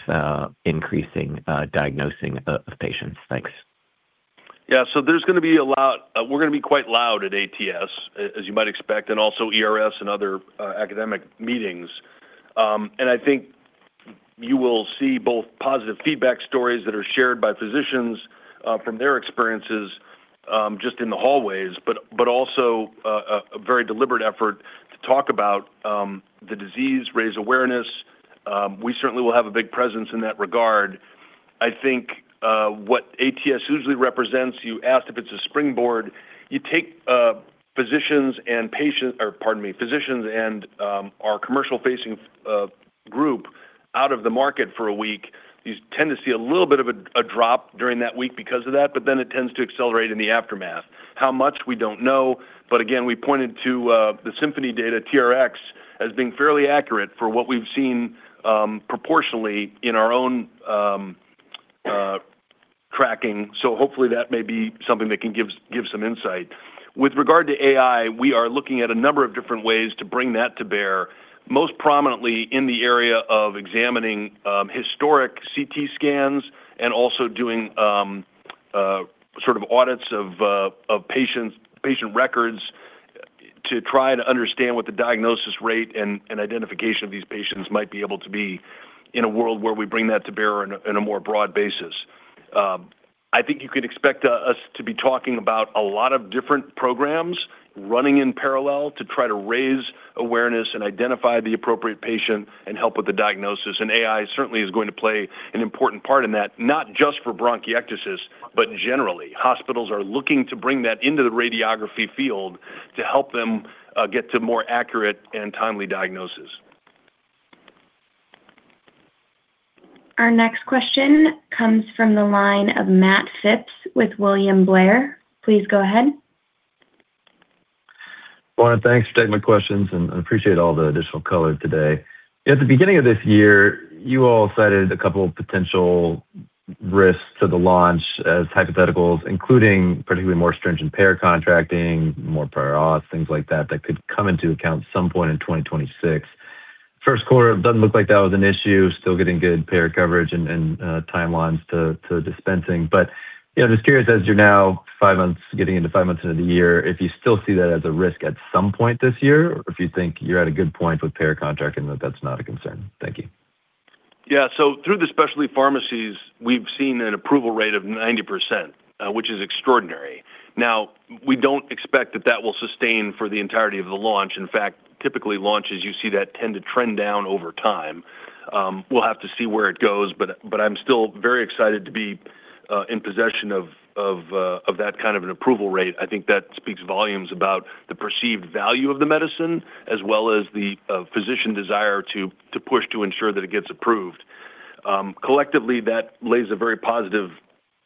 increasing diagnosing of patients. Thanks. Yeah. We're gonna be quite loud at ATS, as you might expect, and also ERS and other academic meetings. I think you will see both positive feedback stories that are shared by physicians, from their experiences, just in the hallways, but also a very deliberate effort to talk about the disease, raise awareness. We certainly will have a big presence in that regard. I think what ATS usually represents, you asked if it's a springboard, you take physicians and pardon me, physicians and our commercial-facing group out of the market for a week. You tend to see a little bit of a drop during that week because of that, it tends to accelerate in the aftermath. How much? We don't know. Again, we pointed to the Symphony data, TRx, as being fairly accurate for what we've seen proportionally in our own tracking. Hopefully that may be something that can give some insight. With regard to AI, we are looking at a number of different ways to bring that to bear, most prominently in the area of examining historic CT scans and also doing sort of audits of patients, patient records to try to understand what the diagnosis rate and identification of these patients might be able to be in a world where we bring that to bear in a more broad basis. I think you can expect us to be talking about a lot of different programs running in parallel to try to raise awareness and identify the appropriate patient and help with the diagnosis. AI certainly is going to play an important part in that, not just for bronchiectasis, but generally. Hospitals are looking to bring that into the radiography field to help them get to more accurate and timely diagnosis. Our next question comes from the line of Matt Phipps with William Blair. Please go ahead. Thanks for taking my questions, and I appreciate all the additional color today. At the beginning of this year, you all cited a couple of potential risks to the launch as hypotheticals, including particularly more stringent payer contracting, more prior auths, things like that could come into account some point in 2026. Q1, it doesn't look like that was an issue. Still getting good payer coverage and timelines to dispensing. You know, just curious, as you're now five months into the year, if you still see that as a risk at some point this year, or if you think you're at a good point with payer contracting that that's not a concern. Thank you. Yeah. Through the specialty pharmacies, we've seen an approval rate of 90%, which is extraordinary. Now, we don't expect that that will sustain for the entirety of the launch. In fact, typically launches, you see that tend to trend down over time. We'll have to see where it goes, but I'm still very excited to be in possession of that kind of an approval rate. I think that speaks volumes about the perceived value of the medicine as well as the physician desire to push to ensure that it gets approved. Collectively, that lays a very positive,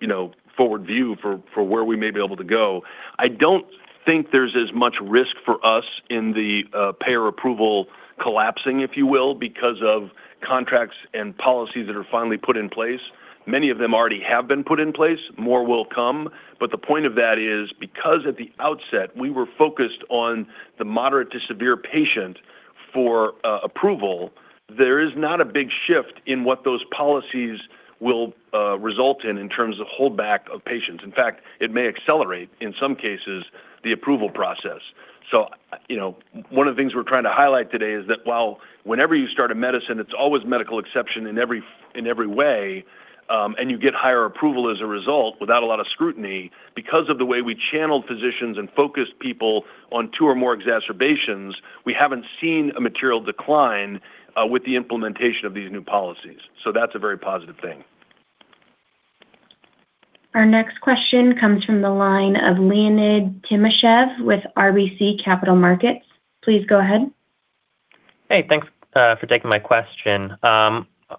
you know, forward view for where we may be able to go. I don't think there's as much risk for us in the payer approval collapsing, if you will, because of contracts and policies that are finally put in place. Many of them already have been put in place. More will come. The point of that is because at the outset, we were focused on the moderate to severe patient for approval, there is not a big shift in what those policies will result in in terms of holdback of patients. In fact, it may accelerate, in some cases, the approval process. You know, one of the things we're trying to highlight today is that while whenever you start a medicine, it's always medical exception in every way, and you get higher approval as a result without a lot of scrutiny. Because of the way we channeled physicians and focused people on two or more exacerbations, we haven't seen a material decline with the implementation of these new policies. That's a very positive thing. Our next question comes from the line of Leonid Timashev with RBC Capital Markets. Please go ahead. Hey, thanks for taking my question.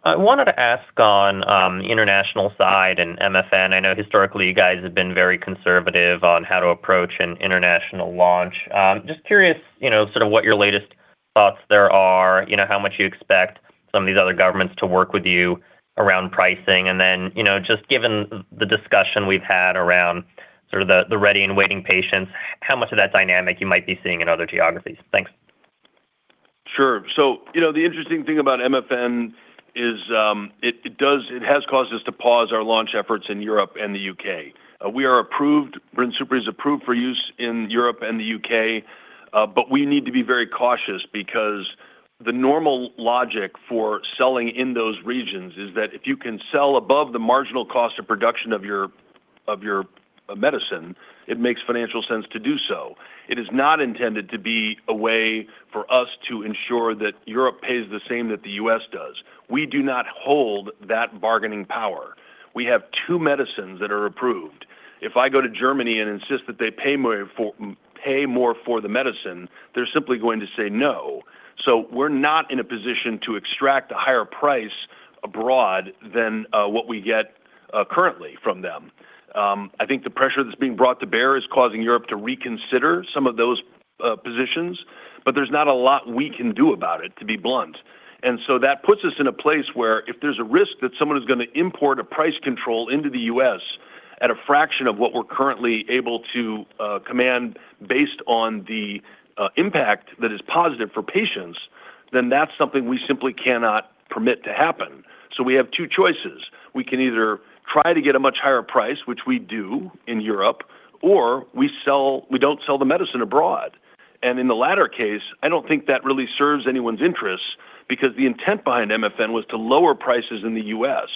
I wanted to ask on the international side and MFN. I know historically you guys have been very conservative on how to approach an international launch. Just curious, you know, sort of what your latest thoughts there are, you know, how much you expect some of these other governments to work with you around pricing. You know, just given the discussion we've had around sort of the ready and waiting patients, how much of that dynamic you might be seeing in other geographies? Thanks. Sure. You know, the interesting thing about MFN is, it has caused us to pause our launch efforts in Europe and the U.K. We are approved. BRINSUPRI is approved for use in Europe and the U.K., but we need to be very cautious because the normal logic for selling in those regions is that if you can sell above the marginal cost of production of your medicine, it makes financial sense to do so. It is not intended to be a way for us to ensure that Europe pays the same that the U.S. does. We do not hold that bargaining power. We have two medicines that are approved. If I go to Germany and insist that they pay more for the medicine, they're simply going to say no. We're not in a position to extract a higher price abroad than what we get currently from them. I think the pressure that's being brought to bear is causing Europe to reconsider some of those positions, but there's not a lot we can do about it, to be blunt. That puts us in a place where if there's a risk that someone is gonna import a price control into the U.S. at a fraction of what we're currently able to command based on the impact that is positive for patients, then that's something we simply cannot permit to happen. We have two choices. We can either try to get a much higher price, which we do in Europe, or we don't sell the medicine abroad. In the latter case, I don't think that really serves anyone's interests because the intent behind MFN was to lower prices in the U.S.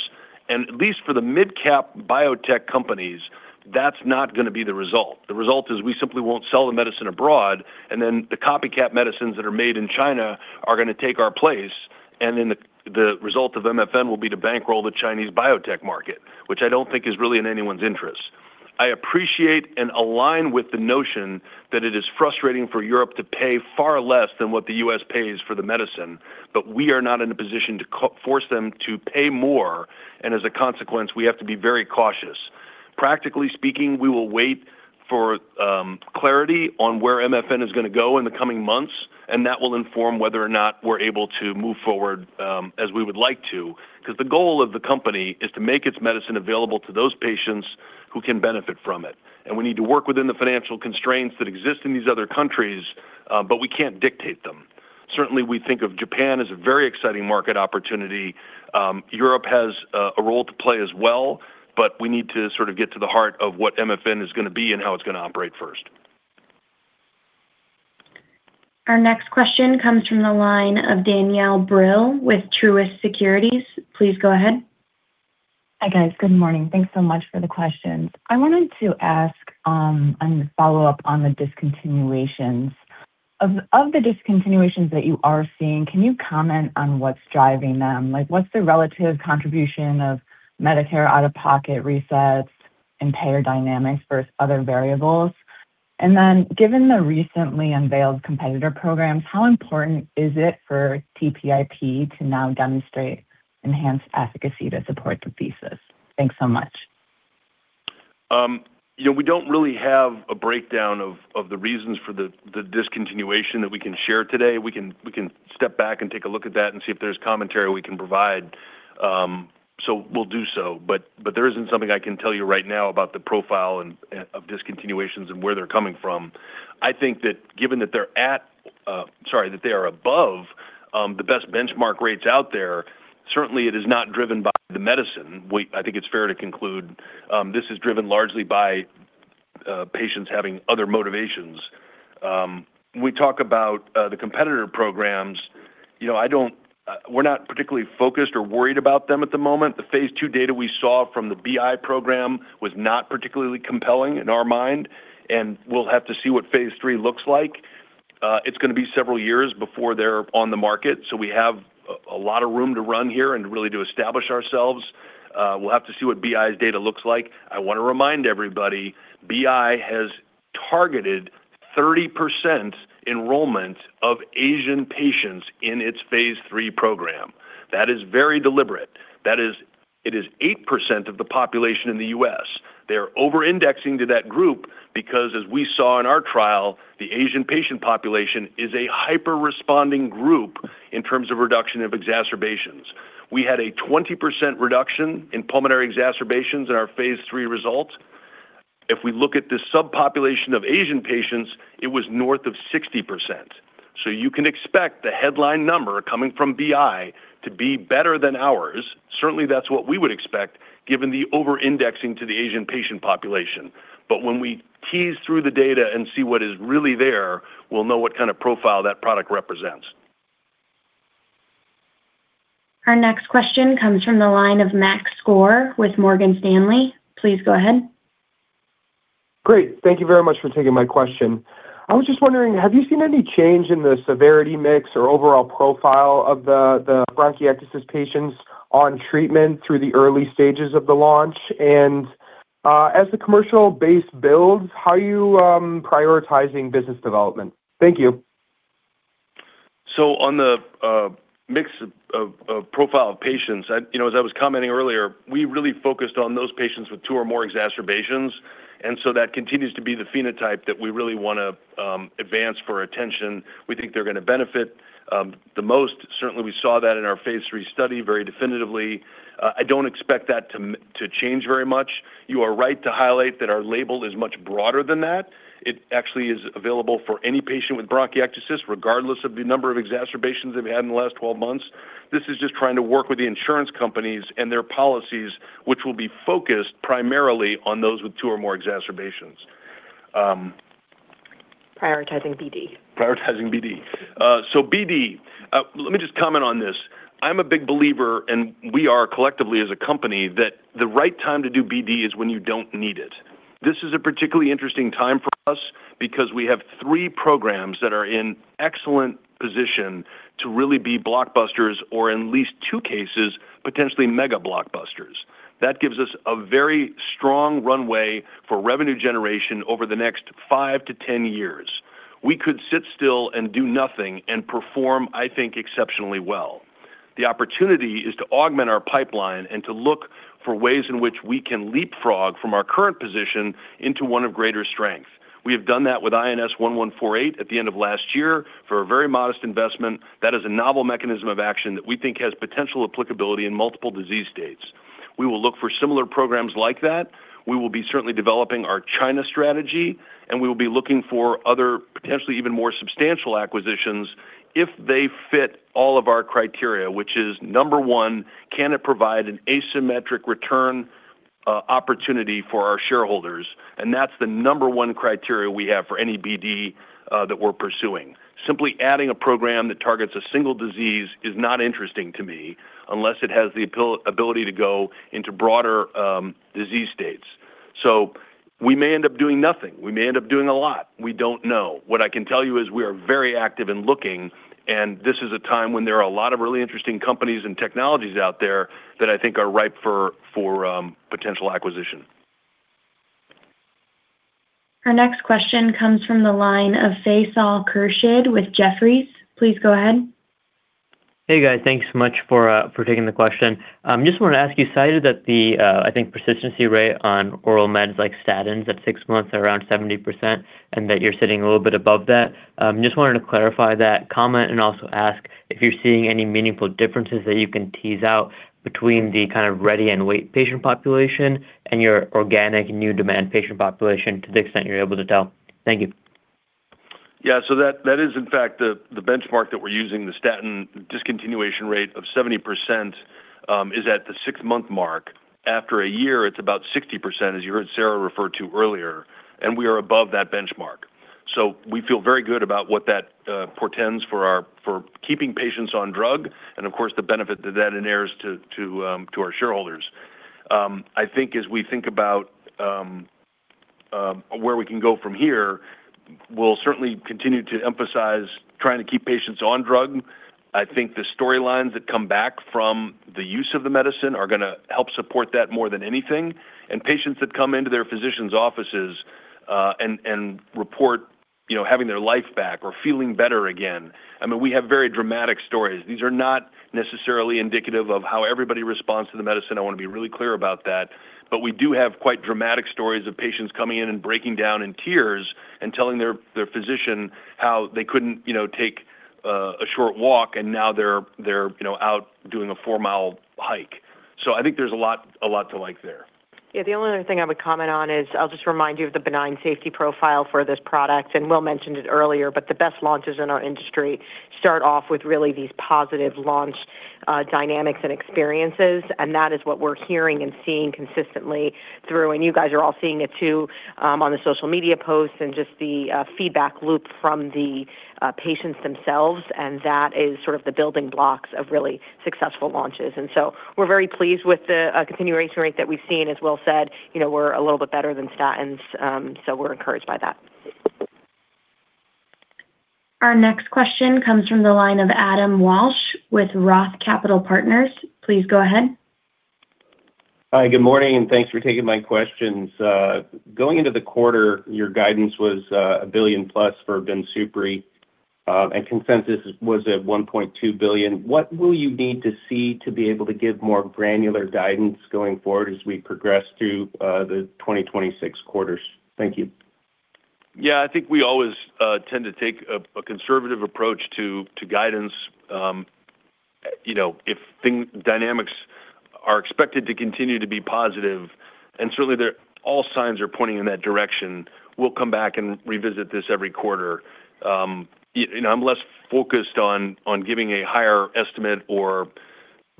At least for the mid-cap biotech companies, that's not gonna be the result. The result is we simply won't sell the medicine abroad. The copycat medicines that are made in China are gonna take our place. The result of MFN will be to bankroll the Chinese biotech market, which I don't think is really in anyone's interest. I appreciate and align with the notion that it is frustrating for Europe to pay far less than what the U.S. pays for the medicine. We are not in a position to force them to pay more. As a consequence, we have to be very cautious. Practically speaking, we will wait for clarity on where MFN is gonna go in the coming months. That will inform whether or not we're able to move forward as we would like to. 'Cause the goal of the company is to make its medicine available to those patients who can benefit from it. We need to work within the financial constraints that exist in these other countries, but we can't dictate them. Certainly, we think of Japan as a very exciting market opportunity. Europe has a role to play as well, but we need to sort of get to the heart of what MFN is gonna be and how it's gonna operate first. Our next question comes from the line of Danielle Brill with Truist Securities. Please go ahead. Hi, guys. Good morning. Thanks so much for the questions. I wanted to ask, and follow up on the discontinuations. Of the discontinuations that you are seeing, can you comment on what's driving them? Like, what's the relative contribution of Medicare out-of-pocket resets and payer dynamics versus other variables? Given the recently unveiled competitor programs, how important is it for TPIP to now demonstrate enhanced efficacy to support the thesis? Thanks so much. You know, we don't really have a breakdown of the reasons for the discontinuation that we can share today. We can step back and take a look at that and see if there's commentary we can provide. So we'll do so. There isn't something I can tell you right now about the profile and of discontinuations and where they're coming from. I think that given that they are above the best benchmark rates out there, certainly it is not driven by the medicine. I think it's fair to conclude, this is driven largely by patients having other motivations. When we talk about the competitor programs, you know, I don't, we're not particularly focused or worried about them at the moment. The phase II data we saw from the BI program was not particularly compelling in our mind, and we'll have to see what phase III looks like. It's gonna be several years before they're on the market, so we have a lot of room to run here and really to establish ourselves. We'll have to see what BI's data looks like. I wanna remind everybody, BI has targeted 30% enrollment of Asian patients in its phase III program. That is very deliberate. It is 8% of the population in the U.S. They are over-indexing to that group because as we saw in our trial, the Asian patient population is a hyper-responding group in terms of reduction of exacerbations. We had a 20% reduction in pulmonary exacerbations in our phase III result. If we look at the subpopulation of Asian patients, it was north of 60%. You can expect the headline number coming from BI to be better than ours. Certainly, that's what we would expect given the over-indexing to the Asian patient population. When we tease through the data and see what is really there, we'll know what kind of profile that product represents. Our next question comes from the line of Maxwell Skor with Morgan Stanley. Please go ahead. Great. Thank you very much for taking my question. I was just wondering, have you seen any change in the severity mix or overall profile of the bronchiectasis patients on treatment through the early stages of the launch? As the commercial base builds, how are you prioritizing business development? Thank you. On the mix of profile of patients, you know, as I was commenting earlier, we really focused on those patients with two or more exacerbations. That continues to be the phenotype that we really wanna advance for attention. We think they're gonna benefit the most. Certainly, we saw that in our phase III study very definitively. I don't expect that to change very much. You are right to highlight that our label is much broader than that. It actually is available for any patient with bronchiectasis, regardless of the number of exacerbations they've had in the last 12 months. This is just trying to work with the insurance companies and their policies, which will be focused primarily on those with two or more exacerbations. Prioritizing BD. Prioritizing BD. BD, let me just comment on this. I'm a big believer, and we are collectively as a company, that the right time to do BD is when you don't need it. This is a particularly interesting time for us because we have three programs that are in excellent position to really be blockbusters or in at least two cases, potentially mega blockbusters. That gives us a very strong runway for revenue generation over the next five to 10 years. We could sit still and do nothing and perform, I think, exceptionally well. The opportunity is to augment our pipeline and to look for ways in which we can leapfrog from our current position into one of greater strength. We have done that with INS-1148 at the end of last year for a very modest investment. That is a novel mechanism of action that we think has potential applicability in multiple disease states. We will look for similar programs like that. We will be certainly developing our China strategy, and we will be looking for other potentially even more substantial acquisitions if they fit all of our criteria, which is number one, can it provide an asymmetric return opportunity for our shareholders? That's the number one criteria we have for any BD that we're pursuing. Simply adding a program that targets a single disease is not interesting to me unless it has the ability to go into broader disease states. We may end up doing nothing. We may end up doing a lot. We don't know. What I can tell you is we are very active in looking, and this is a time when there are a lot of really interesting companies and technologies out there that I think are ripe for potential acquisition. Our next question comes from the line of Faisal Khurshid with Jefferies. Please go ahead. Hey, guys. Thanks so much for for taking the question. Just wanted to ask you cited that the I think persistency rate on oral meds like statins at six months are around 70% and that you're sitting a little bit above that. Just wanted to clarify that comment and also ask if you're seeing any meaningful differences that you can tease out between the kind of ready and wait patient population and your organic new demand patient population to the extent you're able to tell. Thank you. Yeah. That is in fact the benchmark that we're using, the statin discontinuation rate of 70% is at the six-month mark. After a year, it's about 60%, as you heard Sara refer to earlier. We are above that benchmark. We feel very good about what that portends for keeping patients on drug and of course the benefit that inheres to our shareholders. I think as we think about where we can go from here, we'll certainly continue to emphasize trying to keep patients on drug. I think the storylines that come back from the use of the medicine are gonna help support that more than anything and patients that come into their physician's offices and report, you know, having their life back or feeling better again. I mean, we have very dramatic stories. These are not necessarily indicative of how everybody responds to the medicine. I want to be really clear about that. We do have quite dramatic stories of patients coming in and breaking down in tears and telling their physician how they couldn't, you know, take a short walk and now they're, you know, out doing a four-mile hike. I think there's a lot to like there. Yeah. The only other thing I would comment on is I'll just remind you of the benign safety profile for this product, and Will mentioned it earlier, but the best launches in our industry start off with really these positive launch dynamics and experiences, and that is what we're hearing and seeing consistently through, and you guys are all seeing it too, on the social media posts and just the feedback loop from the patients themselves, and that is sort of the building blocks of really successful launches. We're very pleased with the continuation rate that we've seen. As Will said, you know, we're a little bit better than statins, so we're encouraged by that. Our next question comes from the line of Adam Walsh with Roth Capital Partners. Please go ahead. Hi, good morning, and thanks for taking my questions. Going into the quarter, your guidance was $1 billion+ for BRINSUPRI. Consensus was at $1.2 billion. What will you need to see to be able to give more granular guidance going forward as we progress through the 2026 quarters? Thank you. Yeah. I think we always tend to take a conservative approach to guidance. You know, if dynamics are expected to continue to be positive, and certainly all signs are pointing in that direction, we'll come back and revisit this every quarter. You know, I'm less focused on giving a higher estimate or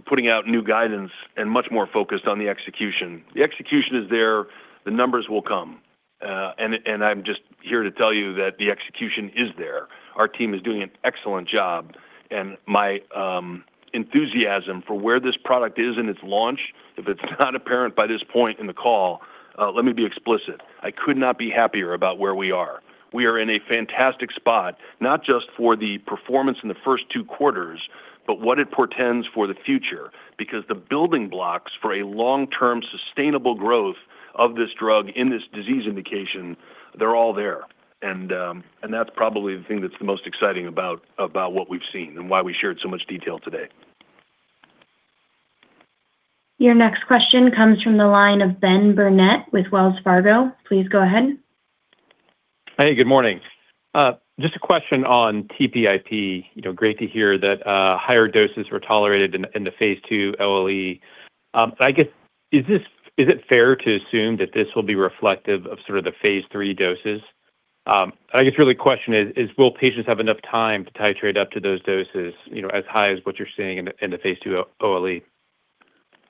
putting out new guidance and much more focused on the execution. The execution is there, the numbers will come. I'm just here to tell you that the execution is there. Our team is doing an excellent job and my enthusiasm for where this product is in its launch, if it's not apparent by this point in the call, let me be explicit. I could not be happier about where we are. We are in a fantastic spot, not just for the performance in the first two quarters, but what it portends for the future because the building blocks for a long-term sustainable growth of this drug in this disease indication, they're all there. That's probably the thing that's the most exciting about what we've seen and why we shared so much detail today. Your next question comes from the line of Ben Burnett with Wells Fargo. Please go ahead. Hey, good morning. Just a question on TPIP. You know, great to hear that higher doses were tolerated in the phase II OLE. I guess, is it fair to assume that this will be reflective of sort of the phase III doses? I guess really the question is, will patients have enough time to titrate up to those doses, you know, as high as what you're seeing in the phase II OLE?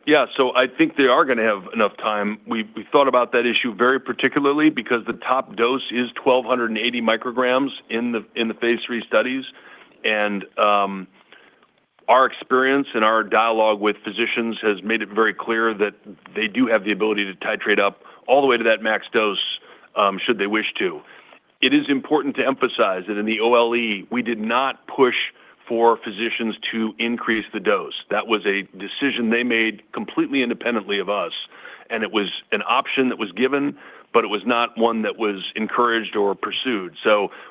Yeah. I think they are gonna have enough time. We thought about that issue very particularly because the top dose is 1,280 micrograms in the phase III studies. Our experience and our dialogue with physicians has made it very clear that they do have the ability to titrate up all the way to that max dose should they wish to. It is important to emphasize that in the OLE, we did not push for physicians to increase the dose. That was a decision they made completely independently of us, and it was an option that was given, but it was not one that was encouraged or pursued.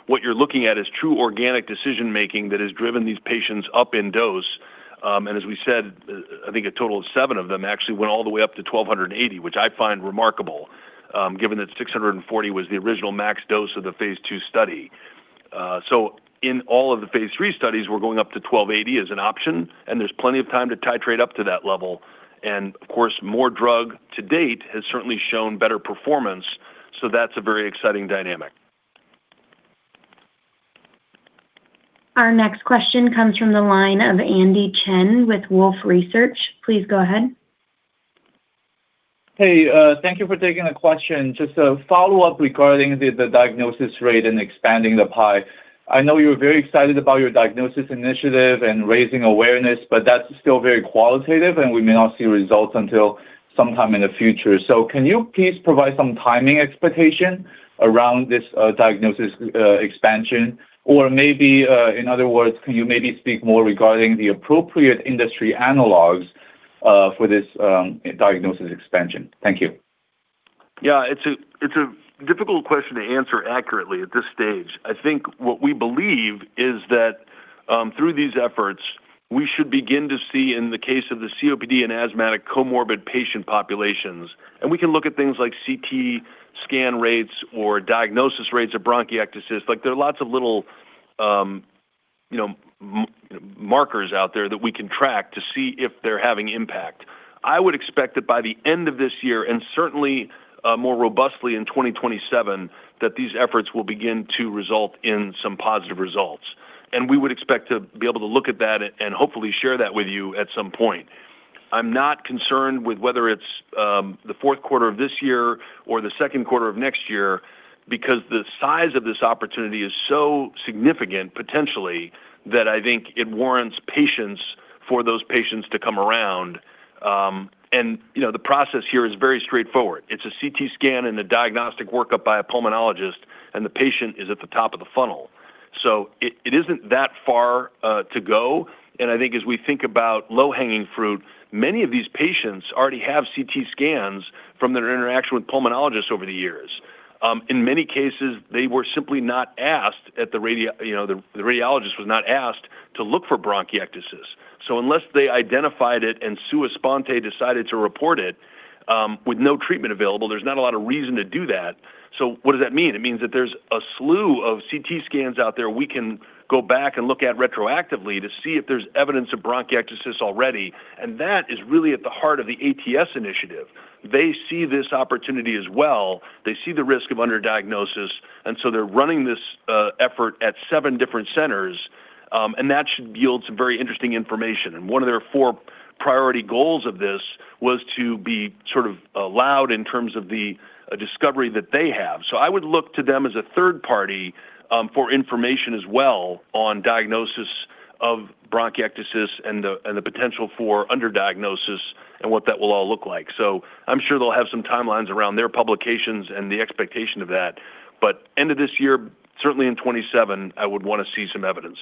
What you're looking at is true organic decision-making that has driven these patients up in dose. As we said, I think a total of seven of them actually went all the way up to 1,280 micrograms, which I find remarkable, given that 640 micrograms was the original max dose of the phase II study. In all of the phase III studies, we're going up to 1,280 micrograms as an option, and there's plenty of time to titrate up to that level. Of course, more drug to date has certainly shown better performance, so that's a very exciting dynamic. Our next question comes from the line of Andy Chen with Wolfe Research. Please go ahead. Hey, thank you for taking the question. Just a follow-up regarding the diagnosis rate and expanding the pie. I know you were very excited about your diagnosis initiative and raising awareness, but that's still very qualitative, and we may not see results until sometime in the future. Can you please provide some timing expectation around this diagnosis expansion? Maybe, in other words, can you maybe speak more regarding the appropriate industry analogs for this diagnosis expansion? Thank you. Yeah, it's a difficult question to answer accurately at this stage. I think what we believe is that, through these efforts, we should begin to see in the case of the COPD and asthmatic comorbid patient populations. We can look at things like CT scan rates or diagnosis rates of bronchiectasis. Like there are lots of little, you know, markers out there that we can track to see if they're having impact. I would expect that by the end of this year, certainly, more robustly in 2027, that these efforts will begin to result in some positive results. We would expect to be able to look at that and hopefully share that with you at some point. I'm not concerned with whether it's the Q4 of this year or the Q2 of next year because the size of this opportunity is so significant potentially that I think it warrants patience for those patients to come around. You know, the process here is very straightforward. It's a CT scan and a diagnostic workup by a pulmonologist, and the patient is at the top of the funnel. It isn't that far to go, and I think as we think about low-hanging fruit, many of these patients already have CT scans from their interaction with pulmonologists over the years. In many cases, they were simply not asked, you know, the radiologist was not asked to look for bronchiectasis. Unless they identified it and sua sponte decided to report it, with no treatment available, there's not a lot of reason to do that. What does that mean? It means that there's a slew of CT scans out there we can go back and look at retroactively to see if there's evidence of bronchiectasis already, and that is really at the heart of the ATS initiative. They see this opportunity as well. They see the risk of underdiagnosis, they're running this effort at seven different centers, and that should yield some very interesting information. One of their four priority goals of this was to be sort of allowed in terms of the discovery that they have. I would look to them as a third party, for information as well on diagnosis of bronchiectasis and the potential for underdiagnosis and what that will all look like. I'm sure they'll have some timelines around their publications and the expectation of that. End of this year, certainly in 2027, I would wanna see some evidence.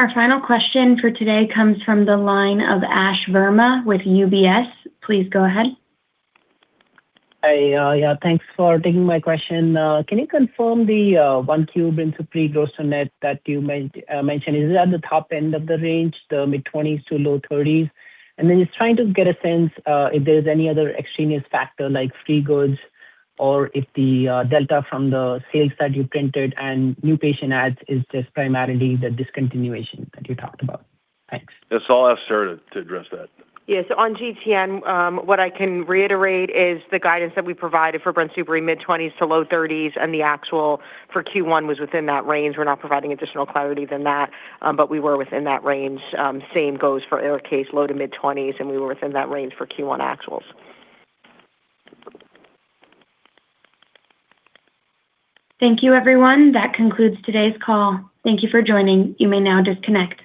Our final question for today comes from the line of Ash Verma with UBS. Please go ahead. Hey, yeah, thanks for taking my question. Can you confirm the BRINSUPRI gross net that you mentioned? Is it at the top end of the range, the mid-20s to low 30s? Just trying to get a sense if there's any other extraneous factor like free goods or if the delta from the sales that you printed and new patient adds is just primarily the discontinuation that you talked about. Thanks. Yes, I'll ask Sara to address that. Yeah. On GTN, what I can reiterate is the guidance that we provided for BRINSUPRI mid-20s to low 30s and the actual for Q1 was within that range. We're not providing additional clarity than that, we were within that range. Same goes for ARIKAYCE low to mid-20s, and we were within that range for Q1 actuals. Thank you, everyone. That concludes today's call. Thank you for joining. You may now disconnect.